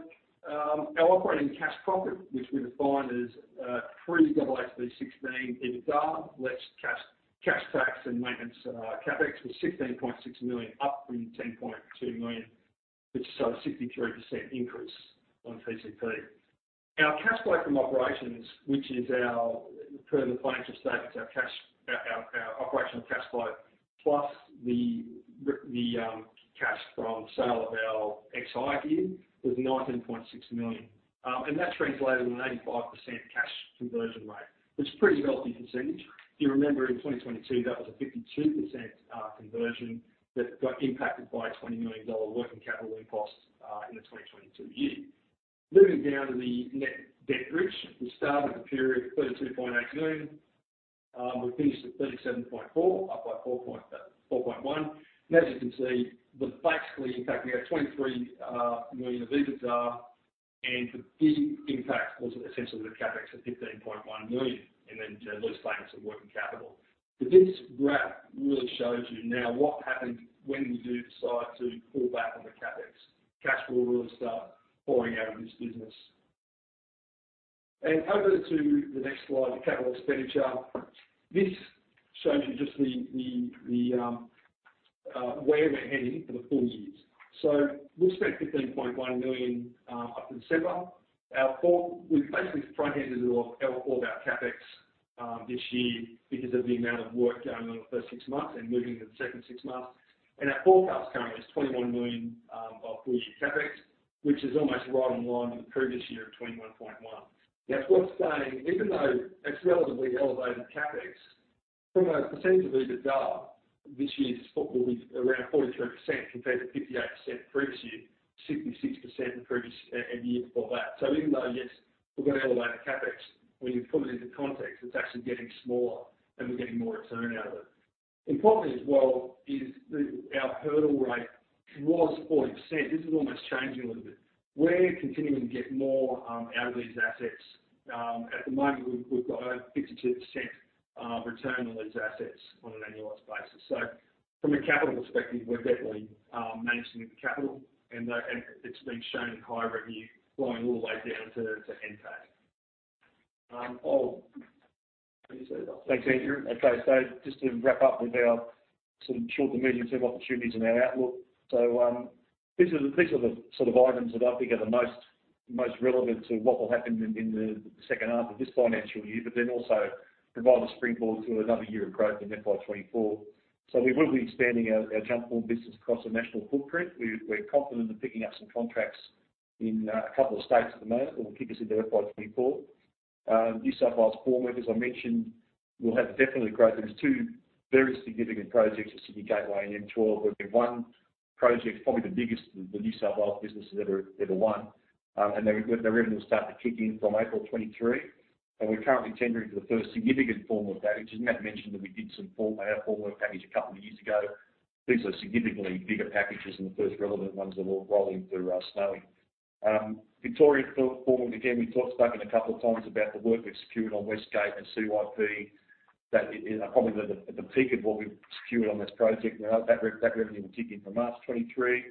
Our operating cash profit, which we define as pre AASB 16 EBITDA less cash tax and maintenance CapEx was 16.6 million up from 10.2 million, which is a 63% increase on PCP. Our cash flow from operations, which is our, per the financial statements, our operational cash flow plus the cash from sale of our XI gear was 19.6 million. That's translated in an 85% cash conversion rate, which is a pretty healthy percentage. If you remember in 2022, that was a 52% conversion that got impacted by an 20 million dollar working capital impost in the 2022 year. Moving down to the net debt bridge. We started the period at 32.8 million, we finished at 37.4 million, up by 4.1 million. As you can see, basically, in fact, we had 23 million of EBITDA, and the big impact was essentially the CapEx of 15.1 million, and then those claims of working capital. This graph really shows you now what happens when you do decide to pull back on the CapEx. Cash will really start pouring out of this business. Over to the next slide, the capital expenditure. This shows you just where we're heading for the full years. We'll spend 15.1 million up until December. We've basically front ended a lot of our, all of our CapEx this year because of the amount of work going on in the first six months and moving to the second six months. Our forecast currently is 21 million of full year CapEx, which is almost right in line with the previous year of 21.1 million. Now, it's worth saying, even though it's relatively elevated CapEx, from a percentage of EBITDA, this year's will be around 43% compared to 58% the previous year, 66% the previous year before that. Even though, yes, we've got elevated CapEx, when you put it into context, it's actually getting smaller and we're getting more return out of it. Important as well is the, our hurdle rate was 40%. This is almost changing a little bit. We're continuing to get more out of these assets. At the moment, we've got a 52% return on these assets on an annualized basis. From a capital perspective, we're definitely managing the capital and it's being shown in higher revenue flowing all the way down to NPAT. I'll... Thanks, Andrew. Okay. Just to wrap up with our sort of short to medium term opportunities and our outlook. These are the sort of items that I think are the most relevant to what will happen in the second half of this financial year, but then also provide a springboard to another year of growth in FY 2024. We will be expanding our Jumpform business across a national footprint. We're confident of picking up some contracts in a couple of states at the moment that will keep us into FY 2024. New South Wales Formwork, as I mentioned, will have definitely growth. There's two very significant projects at Sydney Gateway and M12, where the one project is probably the biggest the New South Wales business has ever won. Their revenue will start to kick in from April 2023. We're currently tendering for the first significant formwork package. As Matt mentioned that we did our formwork package a couple of years ago. These are significantly bigger packages and the first relevant ones that are rolling through Snowy. Victorian Formwork, again, we've talked about it a couple of times about the work we've secured on West Gate and CYP. That is probably the peak of what we've secured on this project. That revenue will kick in from March 2023.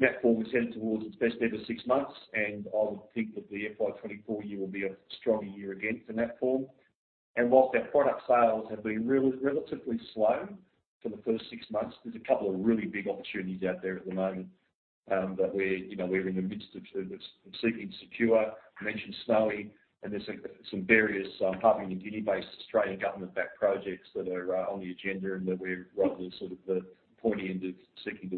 Natform is headed towards its best ever 6 months, I would think that the FY 2024 year will be a stronger year again for Natform. Whilst our product sales have been relatively slow for the first 6 months, there's a couple of really big opportunities out there at the moment, that we're, you know, we're in the midst of seeking to secure. Mentioned Snowy, and there's, like some various, partly New Guinea based Australian government backed projects that are on the agenda and that we're right at the sort of the pointy end of seeking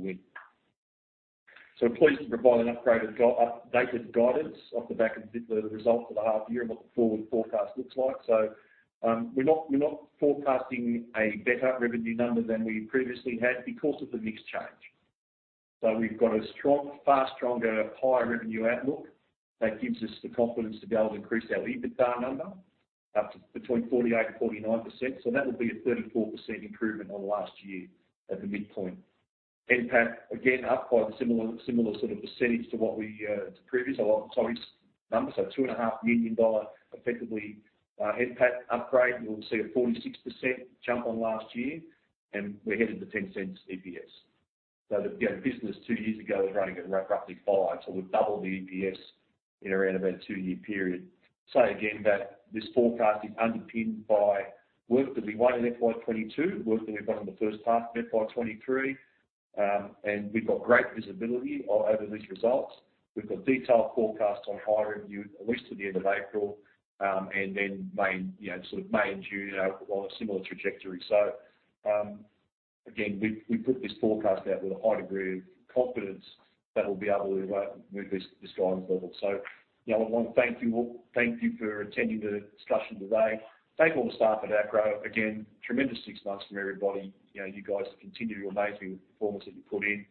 to win. Pleased to provide an updated guidance off the back of the results of the half year and what the forward forecast looks like. We're not, we're not forecasting a better revenue number than we previously had because of the mix change. We've got a strong, far stronger higher revenue outlook that gives us the confidence to be able to increase our EBITDA number up to between 48%-49%. That will be a 34% improvement on last year at the midpoint. NPAT again, up by the similar sort of percentage to what we to previous, sorry, number. AUD 2.5 million effectively NPAT upgrade. You'll see a 46% jump on last year and we're headed to 0.10 EPS. The, you know, business 2 years ago was running at roughly 0.05. We've doubled the EPS in around about a 2-year period. Say again that this forecast is underpinned by work that we won in FY 2022, work that we've got in the first half of FY 2023. We've got great visibility over these results. We've got detailed forecasts on high review at least to the end of April, and then May, you know, sort of May and June are on a similar trajectory. Again, we put this forecast out with a high degree of confidence that we'll be able to move this guidance level. You know, I wanna thank you all. Thank you for attending the discussion today. Thank all the staff at Acrow. Again, tremendous 6 months from everybody. You know, you guys continue your amazing performance that you put in.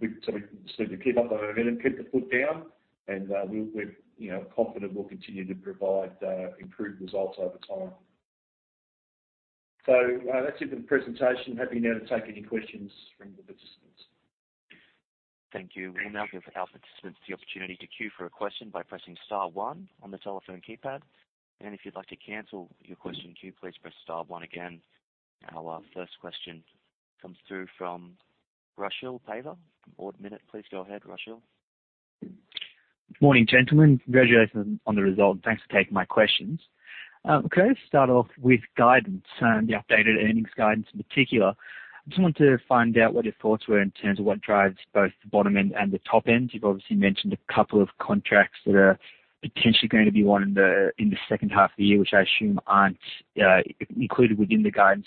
We've just need to keep up our momentum, keep the foot down, and we're, you know, confident we'll continue to provide improved results over time. That's it for the presentation. Happy now to take any questions from the participants. Thank you. We'll now give our participants the opportunity to queue for a question by pressing star one on the telephone keypad. If you'd like to cancel your question queue, please press star one again. Our first question comes through from Rushil Paiva, from Ord Minnett. Please go ahead, Rushil. Morning, gentlemen. Congratulations on the result. Thanks for taking my questions. Can I just start off with guidance, the updated earnings guidance in particular? I just wanted to find out what your thoughts were in terms of what drives both the bottom end and the top end. You've obviously mentioned a couple of contracts that are potentially gonna be won in the, in the second half of the year, which I assume aren't included within the guidance.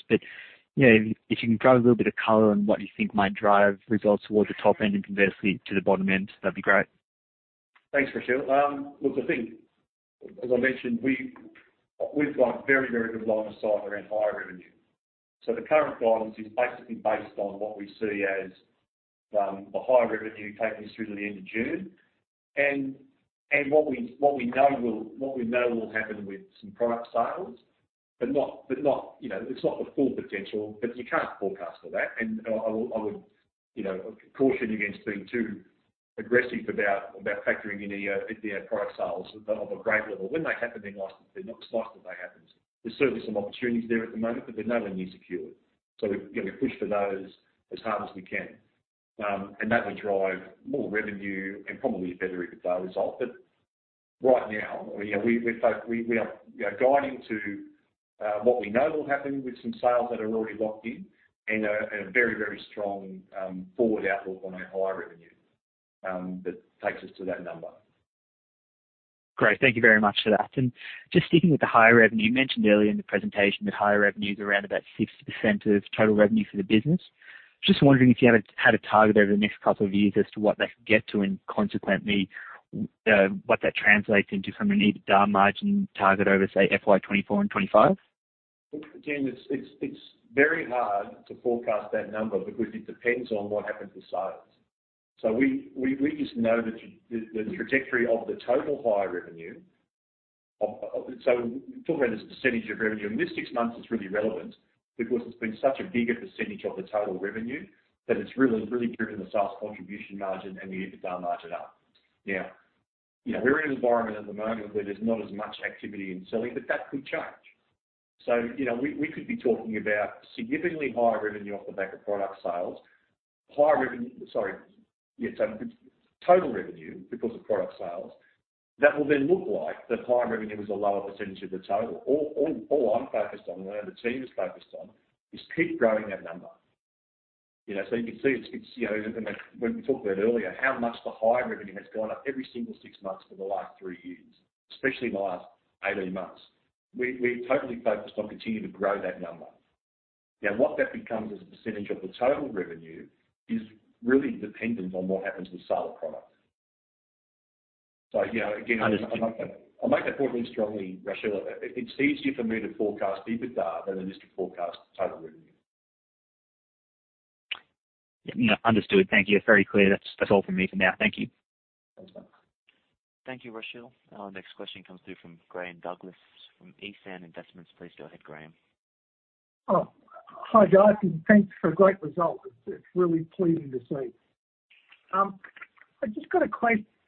You know, if you can drive a little bit of color on what you think might drive results towards the top end and conversely to the bottom end, that'd be great. Thanks, Rushil. Look, I think, as I mentioned, we've got very, very good line of sight around hire revenue. The current guidance is basically based on what we see as the hire revenue taking us through to the end of June. What we know will happen with some product sales, but not, you know, it's not the full potential, but you can't forecast for that. I would, you know, caution against being too aggressive about factoring in the product sales of a great level. When they happen, they're nice, but they're not as nice as they happen. There's certainly some opportunities there at the moment, but they're nowhere near secured. We're gonna push for those as hard as we can. That will drive more revenue and probably a better EBITDA result. Right now, you know, we are, you know, guiding to what we know will happen with some sales that are already locked in and a very strong forward outlook on our hire revenue that takes us to that number. Great. Thank you very much for that. Just sticking with the hire revenue, you mentioned earlier in the presentation that hire revenue is around about 60% of total revenue for the business. Just wondering if you had a target over the next couple of years as to what they could get to and consequently, what that translates into from an EBITDA margin target over, say, FY 2024 and 2025? Look, again, it's very hard to forecast that number because it depends on what happens with sales. We just know the trajectory of the total hire revenue of. We're talking about as a percentage of revenue, and this six months is really relevant because it's been such a bigger percentage of the total revenue that it's really, really driven the sales contribution margin and the EBITDA margin up. You know, we're in an environment at the moment where there's not as much activity in selling, but that could change. You know, we could be talking about significantly higher revenue off the back of product sales. Hire revenue. Sorry. Yeah, so total revenue because of product sales, that will then look like the hire revenue is a lower percentage of the total. All I'm focused on and all the team is focused on is keep growing that number. You know, so you can see it's, you know, when we talked about it earlier, how much the hire revenue has gone up every single six months for the last three years, especially the last 18 months. We're totally focused on continuing to grow that number. Now, what that becomes as a % of the total revenue is really dependent on what happens with sale of product. Understood. I'll make that point really strongly, Rushil. It's easier for me to forecast EBITDA than it is to forecast total revenue. Yeah, no. Understood. Thank you. Very clear. That's all from me for now. Thank you. Thanks, man. Thank you, Rushil. Our next question comes through from Graeme Douglas from ESAN Investments. Please go ahead, Graeme. Hi, guys, and thanks for a great result. It's really pleasing to see. I've just got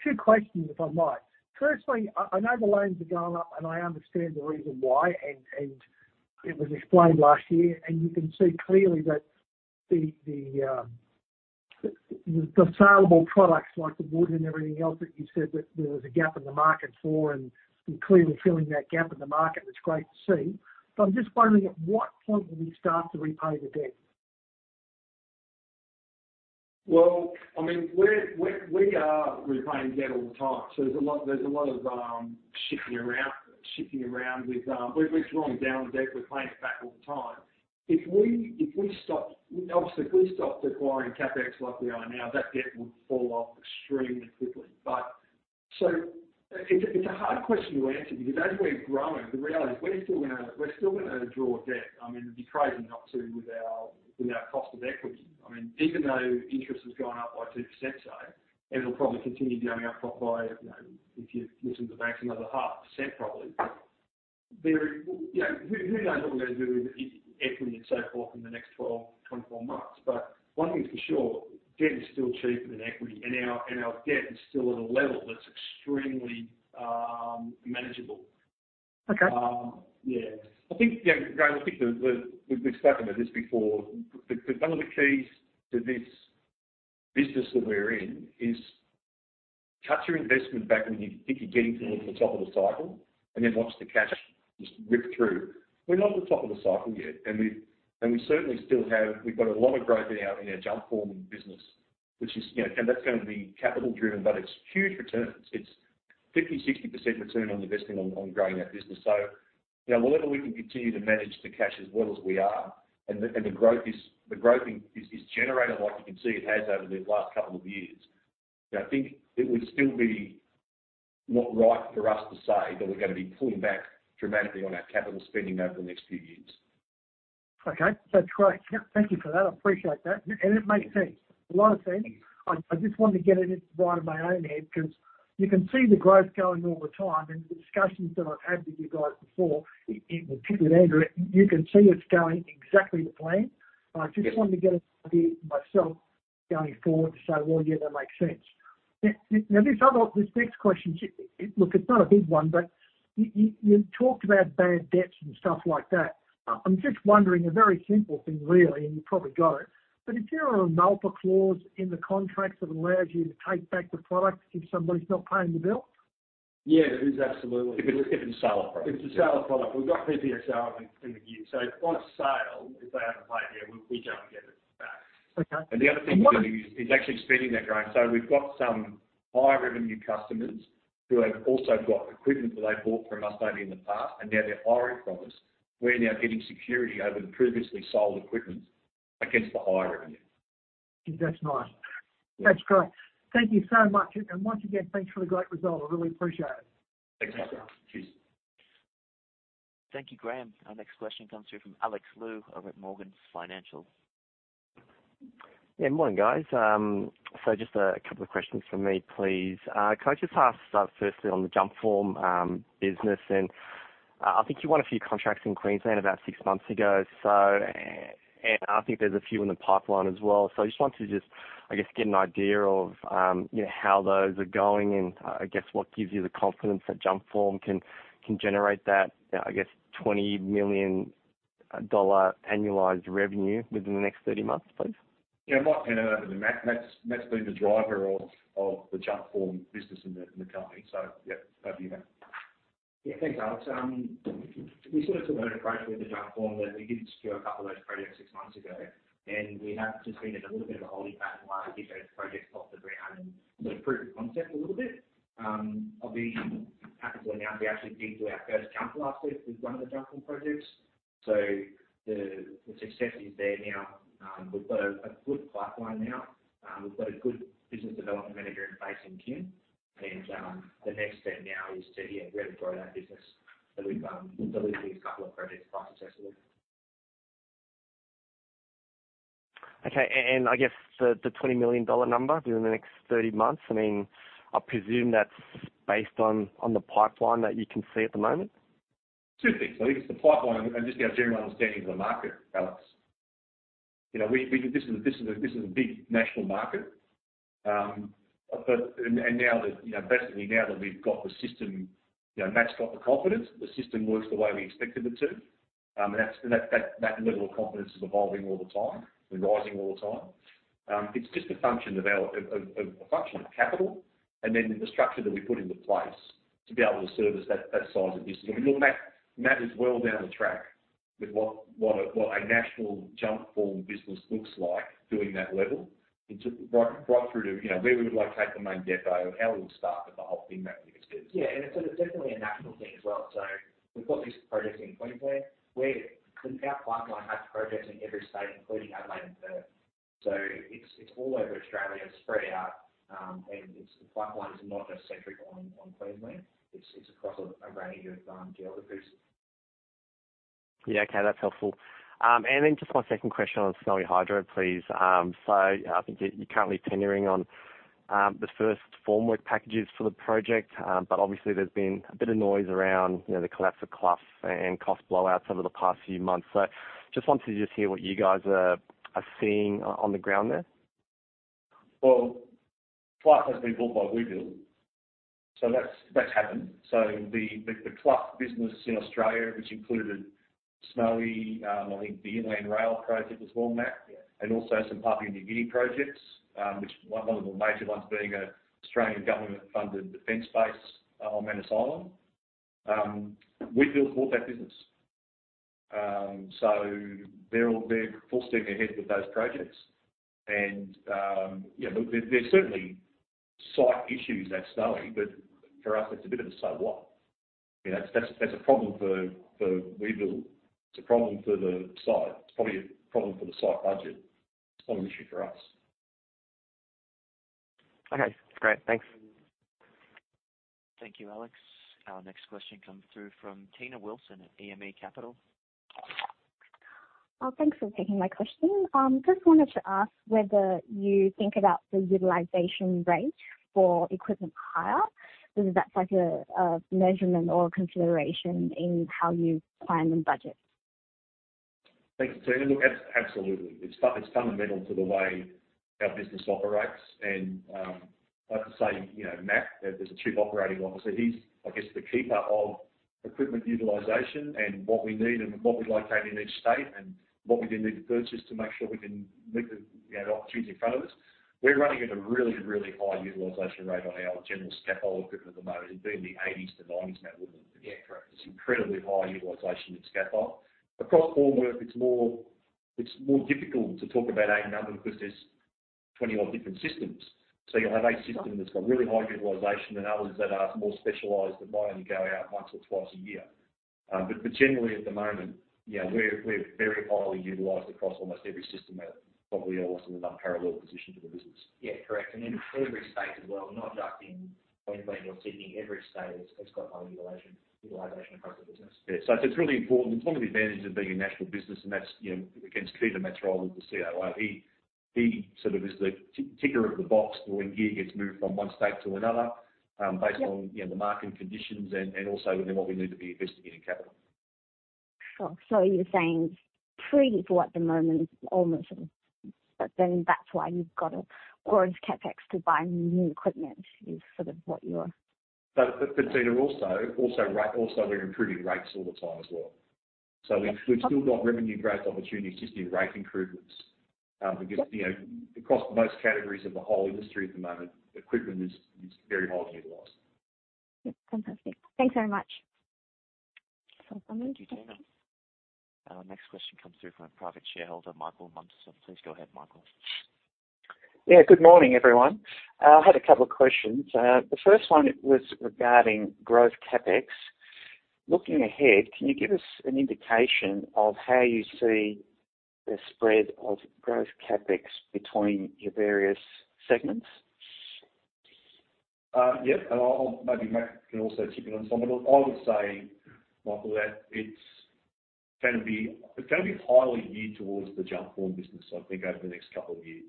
two questions, if I might. Firstly, I know the loans are going up, and I understand the reason why, and it was explained last year, and you can see clearly that the saleable products like the wood and everything else that you said that there was a gap in the market for, and you're clearly filling that gap in the market, it's great to see. I'm just wondering, at what point will you start to repay the debt? Well, I mean, we are repaying debt all the time, so there's a lot of shifting around with. We're drawing down the debt. We're paying it back all the time. If we stopped, obviously, if we stopped acquiring CapEx like we are now, that debt would fall off extremely quickly. it's a hard question to answer because as we're growing, the reality is we're still gonna draw debt. I mean, it'd be crazy not to with our cost of equity. I mean, even though interest has gone up by 2%, say, and it'll probably continue going up by, you know, if you listen to the banks, another 0.5%, probably. You know, who knows what we're gonna do with e-equity and so forth in the next 12, 24 months. One thing's for sure, debt is still cheaper than equity, and our debt is still at a level that's extremely manageable. Okay. I think, yeah, Graeme, I think the... We've spoken about this before. One of the keys to this business that we're in is cut your investment back when you think you're getting towards the top of the cycle and then watch the cash just rip through. We're not at the top of the cycle yet, and we certainly still have. We've got a lot of growth in our Jumpform business, which is, you know, and that's gonna be capital driven, but it's huge returns. It's 50%, 60% return on investing on growing that business. You know, whether we can continue to manage the cash as well as we are and the growth is generated like you can see it has over the last couple of years. You know, I think it would still be not right for us to say that we're gonna be pulling back dramatically on our capital spending over the next few years. Okay. That's great. Yeah, thank you for that. I appreciate that. It makes sense. A lot of sense. I just wanted to get it right in my own head because you can see the growth going all the time and the discussions that I've had with you guys before, in particular, Andrew, you can see it's going exactly to plan. I just wanted to get an idea myself going forward to say, "Well, yeah, that makes sense." Now, this next question, look, it's not a big one, but you talked about bad debts and stuff like that. I'm just wondering, a very simple thing really, and you probably got it, but is there a Romalpa clause in the contracts that allows you to take back the product if somebody's not paying the bill? Yeah, there's absolutely. If it's a sale product. If it's a sale product. We've got PPSA in the gear. If on sale, if they haven't paid, yeah, we go and get it back. Okay. The other thing we're doing is actually extending that growth. We've got some higher revenue customers who have also got equipment that they bought from us maybe in the past, and now they're hiring from us. We're now getting security over the previously sold equipment against the higher revenue. That's nice. That's great. Thank you so much. Once again, thanks for the great result. I really appreciate it. Thanks, Graeme. Cheers. Thank you, Graeme. Our next question comes through from Alex Liu over at Morgans Financial. Morning, guys. Just a couple of questions from me, please. Can I just ask, firstly on the Jumpform business? I think you won a few contracts in Queensland about six months ago. I think there's a few in the pipeline as well. I just wanted to just, I guess, get an idea of, you know, how those are going and I guess what gives you the confidence that Jumpform can generate that, I guess, 20 million dollar annualized revenue within the next 30 months, please. Yeah. Might hand over to Matt. Matt's been the driver of the Jumpform business in the company, so yeah, over to you, Matt. Thanks, Alex. We sort of took that approach with the Jumpform that we did secure a couple of those projects six months ago, and we have just been in a little bit of a holding pattern while we get those projects off the ground and sort of prove the concept a little bit. I'll be happy to announce we actually did do our first jump last week with one of the Jumpform projects. The success is there now. We've got a good pipeline now. We've got a good business development manager in place in Kim. The next step now is to really grow that business. We've delivered these couple of projects quite successfully. Okay. I guess the 20 million dollar number within the next 30 months, I mean, I presume that's based on the pipeline that you can see at the moment. Two things. I think it's the pipeline and just our general understanding of the market, Alex. You know, this is a big national market. And now that, you know, basically now that we've got the system, you know, Matt's got the confidence, the system works the way we expected it to. That's, and that level of confidence is evolving all the time. We're rising all the time. It's just a function of our of capital and then the structure that we put into place to be able to service that size of business. I mean, look, Matt is well down the track with what a national Jumpform business looks like doing that level. It's just right through to, you know, where we would locate the main depot, how we would staff it, the whole thing that we expect. Yeah. It's, so it's definitely a national thing as well. We've got these projects in Queensland, where our pipeline has projects in every state, including Adelaide and Perth. It's all over Australia. It's spread out, and it's the pipeline is not just centric on Queensland. It's across a range of geographies. Okay. That's helpful. Just my second question on Snowy Hydro, please. I think you're currently tendering on the first formwork packages for the project, but obviously there's been a bit of noise around, you know, the collapse of Clough and cost blowouts over the past few months. Just wanted to hear what you guys are seeing on the ground there. Well, Clough has been bought by Webuild. That's happened. The Clough business in Australia, which included Snowy, I think the Inland Rail project as well, Matt. Yeah. Also some Papua New Guinea projects, which one of the major ones being a Australian government-funded defense base on Manus Island. Webuild bought that business. They're full steam ahead with those projects. You know, there's certainly site issues at Snowy, but for us, it's a bit of a so what. You know, that's a problem for Webuild, it's a problem for the site. It's probably a problem for the site budget. It's not an issue for us. Okay, great. Thanks. Thank you, Alex. Our next question comes through from Tina Wilson at E&P Capital. Thanks for taking my question. Just wanted to ask whether you think about the utilization rate for equipment hire? Whether that's like a measurement or consideration in how you plan the budget. Thanks, Tina. Look, absolutely. It's fundamental to the way our business operates. I have to say, you know, Matt, there's a Chief Operating Officer. He's, I guess, the keeper of equipment utilization and what we need and what we locate in each state, and what we then need to purchase to make sure we can meet the, you know, opportunities in front of us. We're running at a really, really high utilization rate on our general scaffold equipment at the moment. It'd be in the 80%-90%. Matt, wouldn't it? Yeah, correct. It's incredibly high utilization in scaffold. Across formwork, it's more difficult to talk about a number because there's 20 odd different systems. You'll have a system that's got really high utilization and others that are more specialized that might only go out once or twice a year. But generally at the moment, you know, we're very highly utilized across almost every system that probably also is unparalleled position for the business. Yeah, correct. In every state as well, not just in Queensland or Sydney, every state has got high utilization across the business. It's really important. It's one of the advantages of being a national business, and that's, you know, again, it's Peter Metro with the CIO. He sort of is the ticker of the box when gear gets moved from one state to another, based on- Yep. You know, the market conditions and also what we need to be investing in capital. Sure. You're saying free for at the moment almost, that's why you've got to orange CapEx to buy new equipment is sort of what you're... Tina also we're improving rates all the time as well. We've still got revenue growth opportunities just in rate improvements, because, you know, across most categories of the whole industry at the moment, equipment is very highly utilized. Yep. Fantastic. Thanks very much. Thank you, Tina. Our next question comes through from a private shareholder, Michael Munson. Please go ahead, Michael. Yeah. Good morning, everyone. I had a couple of questions. The first one was regarding growth CapEx. Looking ahead, can you give us an indication of how you see the spread of growth CapEx between your various segments? Yep. Maybe Matt can also chip in on some of it. I would say, Michael, that it's going to be highly geared towards the Jumpform business, I think over the next 2 years.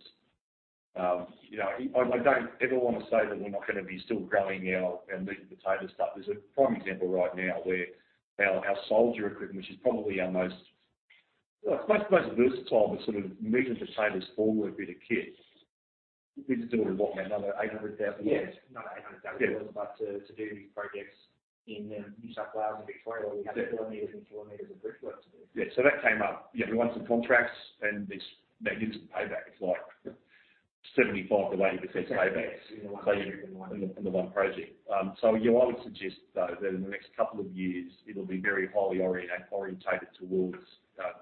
You know, I don't ever want to say that we're not going to be still growing our meat and potatoes stuff. There's a prime example right now where our soldier equipment, which is probably our most, well, it's most versatile, but sort of meat and potatoes formwork bit of kit. We're just doing what, Matt, another 800,000? Yeah. Not 800,000- Yeah. To do these projects in New South Wales and Victoria, we have kilometers and kilometers of bridge work to do. That came up. We won some contracts, and it's magnificent payback. It's like 75% to 80% payback. Exactly. In the one project. In the 1 project. Yeah, I would suggest, though, that in the next couple of years, it'll be very highly orientated towards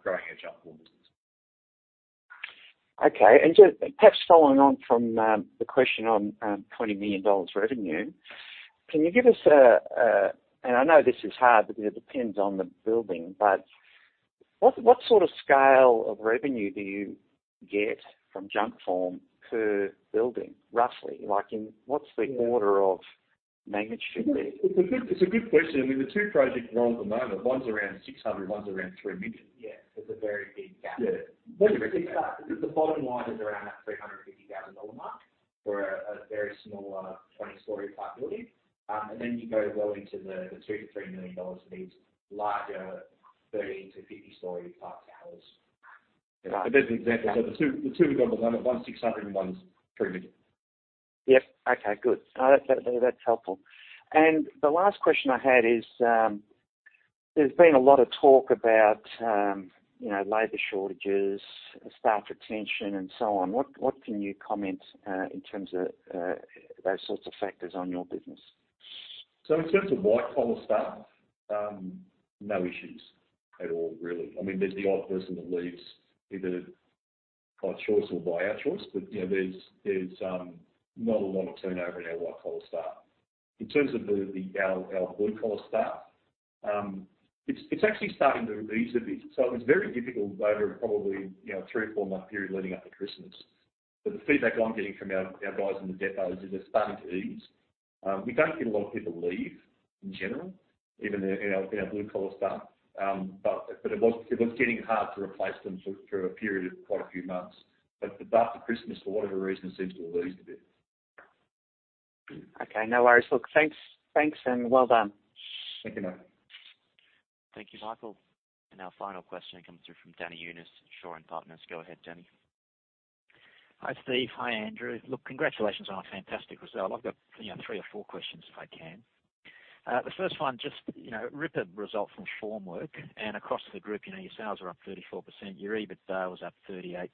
growing our Jumpform business. Okay. Just perhaps following on from the question on 20 million dollars revenue, can you give us, and I know this is hard because it depends on the building, but what sort of scale of revenue do you get from Jumpform per building, roughly? Like in, what's the order of magnitude there? It's a good, it's a good question. I mean, the two projects we're on at the moment, one's around 600, one's around 3 million. Yeah. There's a very big gap. Yeah. The bottom line is around that 350,000 dollar mark for a very smaller 20-story type building. Then you go well into the 2 million-3 million dollars for these larger 30- to 50-story type towers. There's an example. The two we've got at the moment, one's 600 and one's AUD 3 million. Yep. Okay, good. No, that's helpful. The last question I had is, there's been a lot of talk about, you know, labor shortages, staff retention and so on. What can you comment in terms of those sorts of factors on your business? In terms of white collar stuff, no issues at all, really. I mean, there's the odd person that leaves either by choice or by our choice. You know, there's not a lot of turnover in our white collar staff. In terms of our blue collar staff, it's actually starting to ease a bit. It was very difficult over probably, you know, three or four-month period leading up to Christmas. The feedback I'm getting from our guys in the depots is they're starting to ease. We don't get a lot of people leave in general, even in our blue collar staff. It was getting hard to replace them for a period of quite a few months. After Christmas, for whatever reason, it seems to have eased a bit. Okay. No worries. Look, thanks and well done. Thank you, mate. Thank you, Michael. Our final question comes through from Danny Younis at Shaw and Partners. Go ahead, Danny. Hi, Steve. Hi, Andrew. Look, congratulations on a fantastic result. I've got, you know, 3 or 4 questions, if I can. The first one, just, you know, ripper result from formwork. Across the group, you know, your sales are up 34%, your EBITDA was up 38%,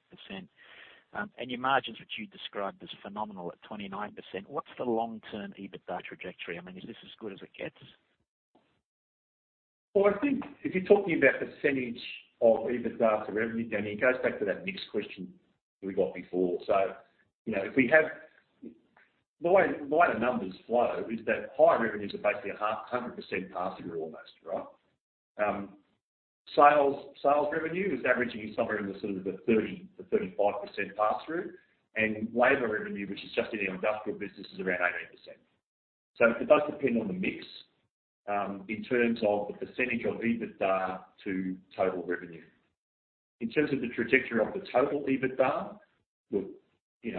and your margins, which you described as phenomenal at 29%. What's the long-term EBITDA trajectory? I mean, is this as good as it gets? Well, I think if you're talking about percentage of EBITDA to revenue, Danny, it goes back to that mix question we got before. You know, the way the numbers flow is that higher revenues are basically a half, 100% pass through almost, right? Sales revenue is averaging somewhere in the sort of the 30%-35% pass through. Labor revenue, which is just in our industrial business, is around 18%. It does depend on the mix, in terms of the percentage of EBITDA to total revenue. In terms of the trajectory of the total EBITDA, look, you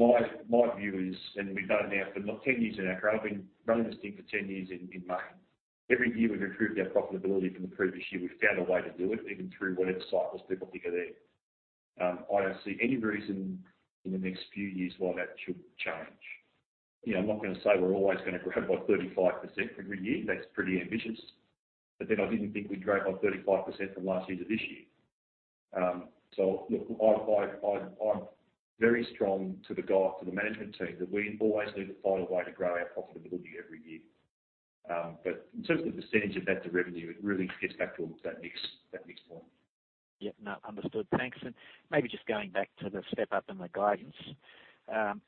know, my view is, and we've known now for 10 years in our career, I've been running this thing for 10 years in May. Every year, we've improved our profitability from the previous year. We've found a way to do it, even through whatever cycles people think are there. I don't see any reason in the next few years why that should change. You know, I'm not gonna say we're always gonna grow by 35% every year. That's pretty ambitious. I didn't think we'd grow by 35% from last year to this year. Look, I'm very strong to the guy, to the management team that we always need to find a way to grow our profitability every year. In terms of the percentage of that to revenue, it really gets back to that mix, that mix point. Yeah, no. Understood. Thanks. Maybe just going back to the step up and the guidance,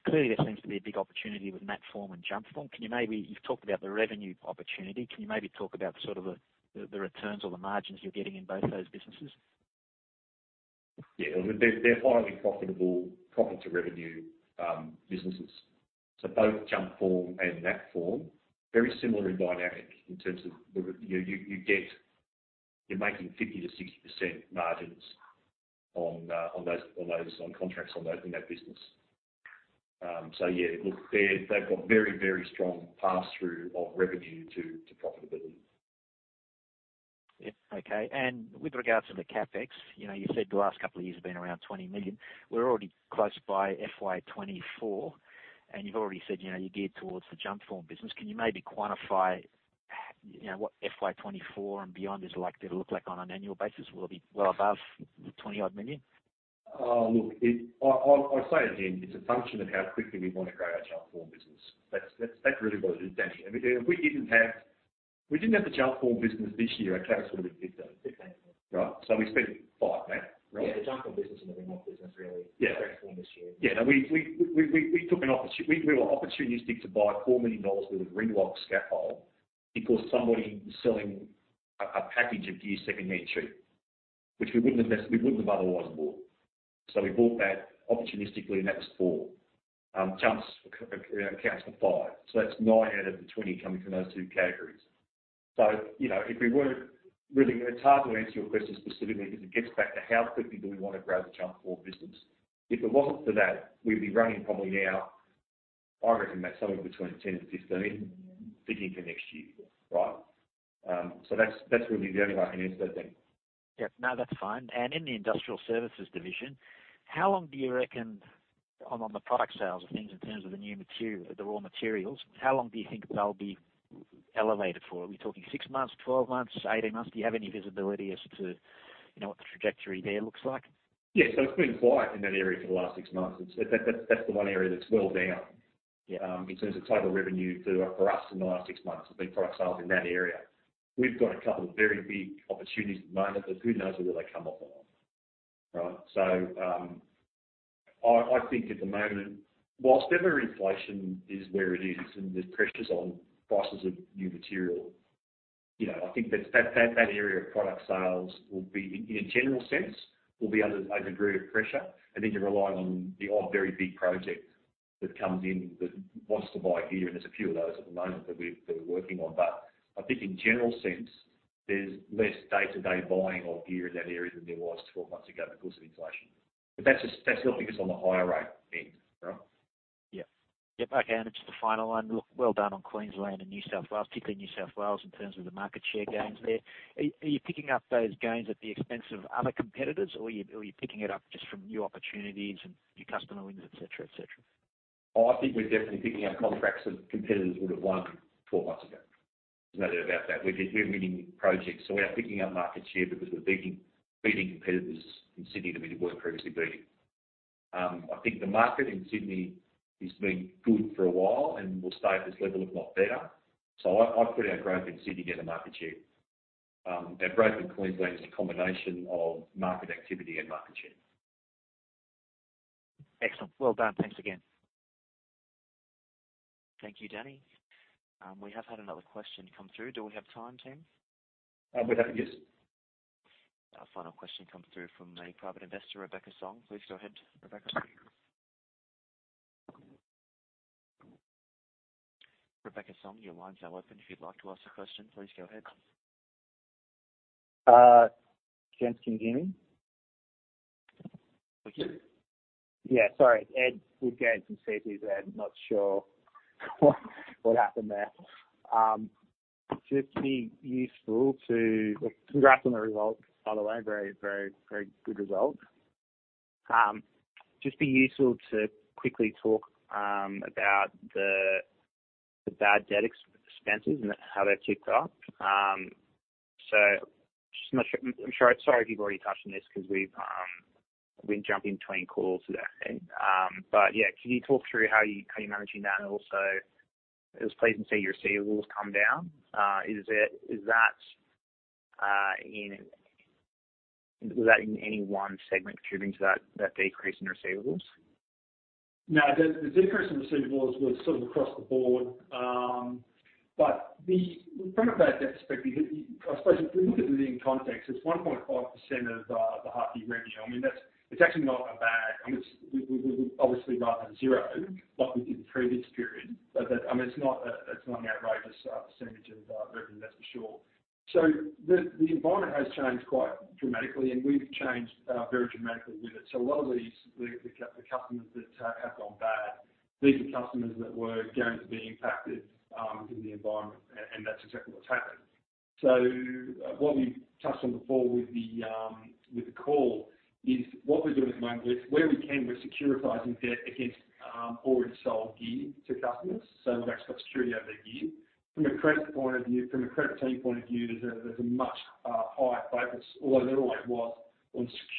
clearly there seems to be a big opportunity with Natform and Jumpform. You've talked about the revenue opportunity. Can you maybe talk about sort of the returns or the margins you're getting in both those businesses? They're highly profitable profit to revenue businesses. Both Jumpform and Natform, very similar in dynamic in terms of you know, you get You're making 50%-60% margins on those, on contracts on those, in that business. Look, they've got very, very strong pass through of revenue to profitability. Yeah. Okay. With regards to the CapEx, you know, you said the last couple of years have been around 20 million. We're already close by FY 2024, and you've already said, you know, you're geared towards the Jumpform business. Can you maybe quantify, you know, what FY 2024 and beyond is likely to look like on an annual basis? Will it be well above the 20 odd million? look, I say again, it's a function of how quickly we want to grow our Jumpform business. That's really what it is, Danny. I mean, if we didn't have the Jumpform business this year, our CapEx would have been AUD 15. Fifteen. Right. We spent 5 that. Yeah. The Jumpform business and the Ringlock business really- Yeah. progressed this year. Yeah. We were opportunistic to buy 4 million dollars worth of Ringlock scaffold because somebody was selling a package of gear secondhand cheap, which we wouldn't have otherwise bought. We bought that opportunistically, and that was 4 million. Jumpform accounts for 5 million. That's 9 million out of the 20 million coming from those two categories. You know, if we were really, it's hard to answer your question specifically because it gets back to how quickly do we wanna grow the Jumpform business. If it wasn't for that, we'd be running probably now, I reckon, Matthew Caporella, somewhere between 10 million-15 million thinking for next year. Right? That's really the only way I can answer that, Danny Younis. Yeah. No, that's fine. In the industrial services division, how long do you reckon on the product sales of things in terms of the new raw materials, how long do you think they'll be elevated for? Are we talking 6 months, 12 months, 18 months? Do you have any visibility as to, you know, what the trajectory there looks like? It's been quiet in that area for the last six months. That's the one area that's well down in terms of total revenue for us in the last six months has been product sales in that area. We've got a couple of very big opportunities at the moment, but who knows whether they come off or not. Right? I think at the moment, whilst every inflation is where it is and there's pressures on prices of new material, you know, I think that area of product sales will be in a general sense, will be under a degree of pressure. I think you're relying on the odd very big project that comes in that wants to buy gear, and there's a few of those at the moment that we're working on. I think in general sense, there's less day-to-day buying of gear in that area than there was 12 months ago because of inflation. That's just, that's helping us on the higher rate end. Right? Yeah. Yep. Okay. It's the final one. Look, well done on Queensland and New South Wales, particularly New South Wales in terms of the market share gains there. Are you picking up those gains at the expense of other competitors or you picking it up just from new opportunities and new customer wins, et cetera, et cetera? I think we're definitely picking up contracts that competitors would have won 12 months ago. There's no doubt about that. We're winning projects, we are picking up market share because we're beating competitors in Sydney that we weren't previously beating. I think the market in Sydney has been good for a while and will stay at this level if not better. I put our growth in Sydney as a market share. Our growth in Queensland is a combination of market activity and market share. Excellent. Well done. Thanks again. Thank you, Danny. We have had another question come through. Do we have time, team? We're happy, yes. Our final question comes through from a private investor, Rebecca Song. Please go ahead, Rebecca. Rebecca Song, your line's now open. If you'd like to ask a question, please go ahead. Gents, can you hear me? We can. Yeah, sorry. Ed Woodgate from CCZ. I'm not sure what happened there. Just be useful to. Congrats on the result, by the way. Very, very good result. Just be useful to quickly talk about the bad debt expenses and how they're ticked off. I'm just not sure. Sorry if you've already touched on this because we've, we're jumping between calls today. Yeah, can you talk through how you're managing that? Also, it was pleasing to see your receivables come down. Is it, is that, was that in any one segment contributing to that decrease in receivables? No. The decrease in receivables was sort of across the board. From a bad debt perspective, I suppose if we look at it in context, it's 1.5% of the half year revenue. I mean, that's. It's actually not that bad. I mean, it's. We would obviously rather zero like we did the previous period. That, I mean, it's not an outrageous percentage of revenue, that's for sure. The environment has changed quite dramatically, and we've changed very dramatically with it. A lot of these, the customers that have gone bad, these are customers that were going to be impacted in the environment, and that's exactly what's happened. What we touched on before with the, with the call is what we're doing at the moment is where we can, we're securitizing debt against already sold gear to customers. We've actually got security over their gear. From a credit point of view, from a credit team point of view, there's a much higher focus, although there always was.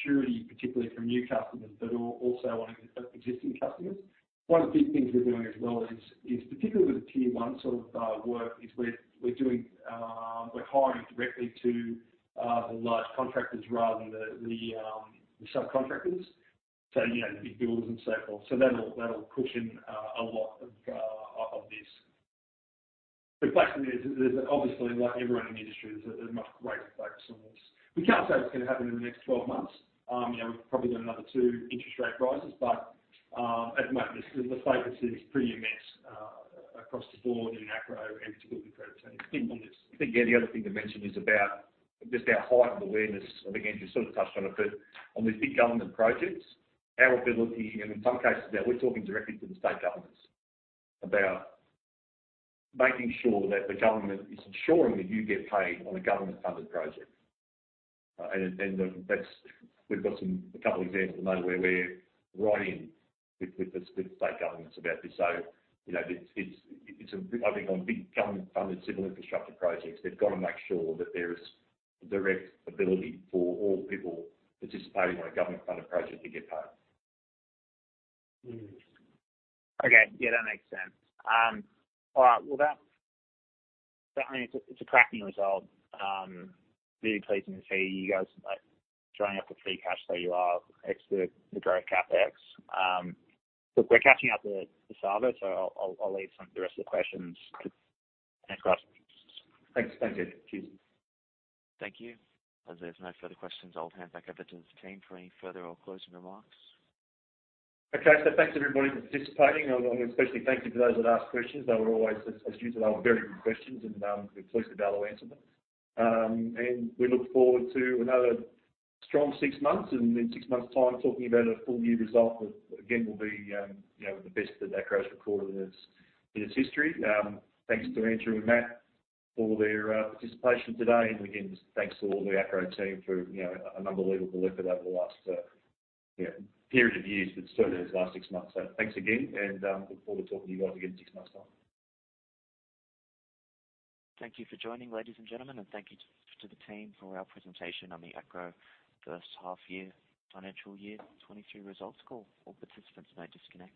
Security, particularly for new customers, but also on existing customers. One of the big things we're doing as well is particularly with the tier one sort of work, we're doing, we're hiring directly to the large contractors rather than the subcontractors. You know, the big builders and so forth. That'll cushion a lot of this. The fact is that obviously, like everyone in the industry, there's a much greater focus on this. We can't say it's gonna happen in the next 12 months. You know, we've probably got another two interest rate rises, but as Matt mentioned, the focus is pretty immense across the board in Acrow and particularly for our teams. I think, the other thing to mention is about just our heightened awareness. Again, you sort of touched on it, but on these big government projects, our ability, and in some cases now we're talking directly to the state governments about making sure that the government is ensuring that you get paid on a government-funded project. We've got some, a couple of examples at the moment where we're right in with state governments about this. You know, I think on big government-funded civil infrastructure projects, they've got to make sure that there is direct ability for all people participating on a government-funded project to get paid. Mm-hmm. Okay. Yeah, that makes sense. All right. Well, that I mean it's a cracking result. Really pleasing to see you guys, like, joining up the free cash there you are ex the growth CapEx. Look, we're catching up with Sava, I'll leave the rest of the questions to across. Thanks. Thank you. Cheers. Thank you. As there's no further questions, I'll hand back over to the team for any further or closing remarks. Okay. Thanks everybody for participating and especially thank you to those that asked questions. They were always, as usual, they were very good questions, and we're pleased with how we answered them. We look forward to another strong six months and in six months' time talking about a full year result that again will be, you know, the best that Acrow's recorded in its history. Thanks to Andrew and Matt for their participation today. Again, just thanks to all the Acrow team for, you know, an unbelievable effort over the last, you know, period of years, but certainly these last six months. Thanks again, and look forward to talking to you all again in six months' time. Thank you for joining, ladies and gentlemen, and thank you to the team for our presentation on the Acrow first half year financial year 2023 results call. All participants may disconnect.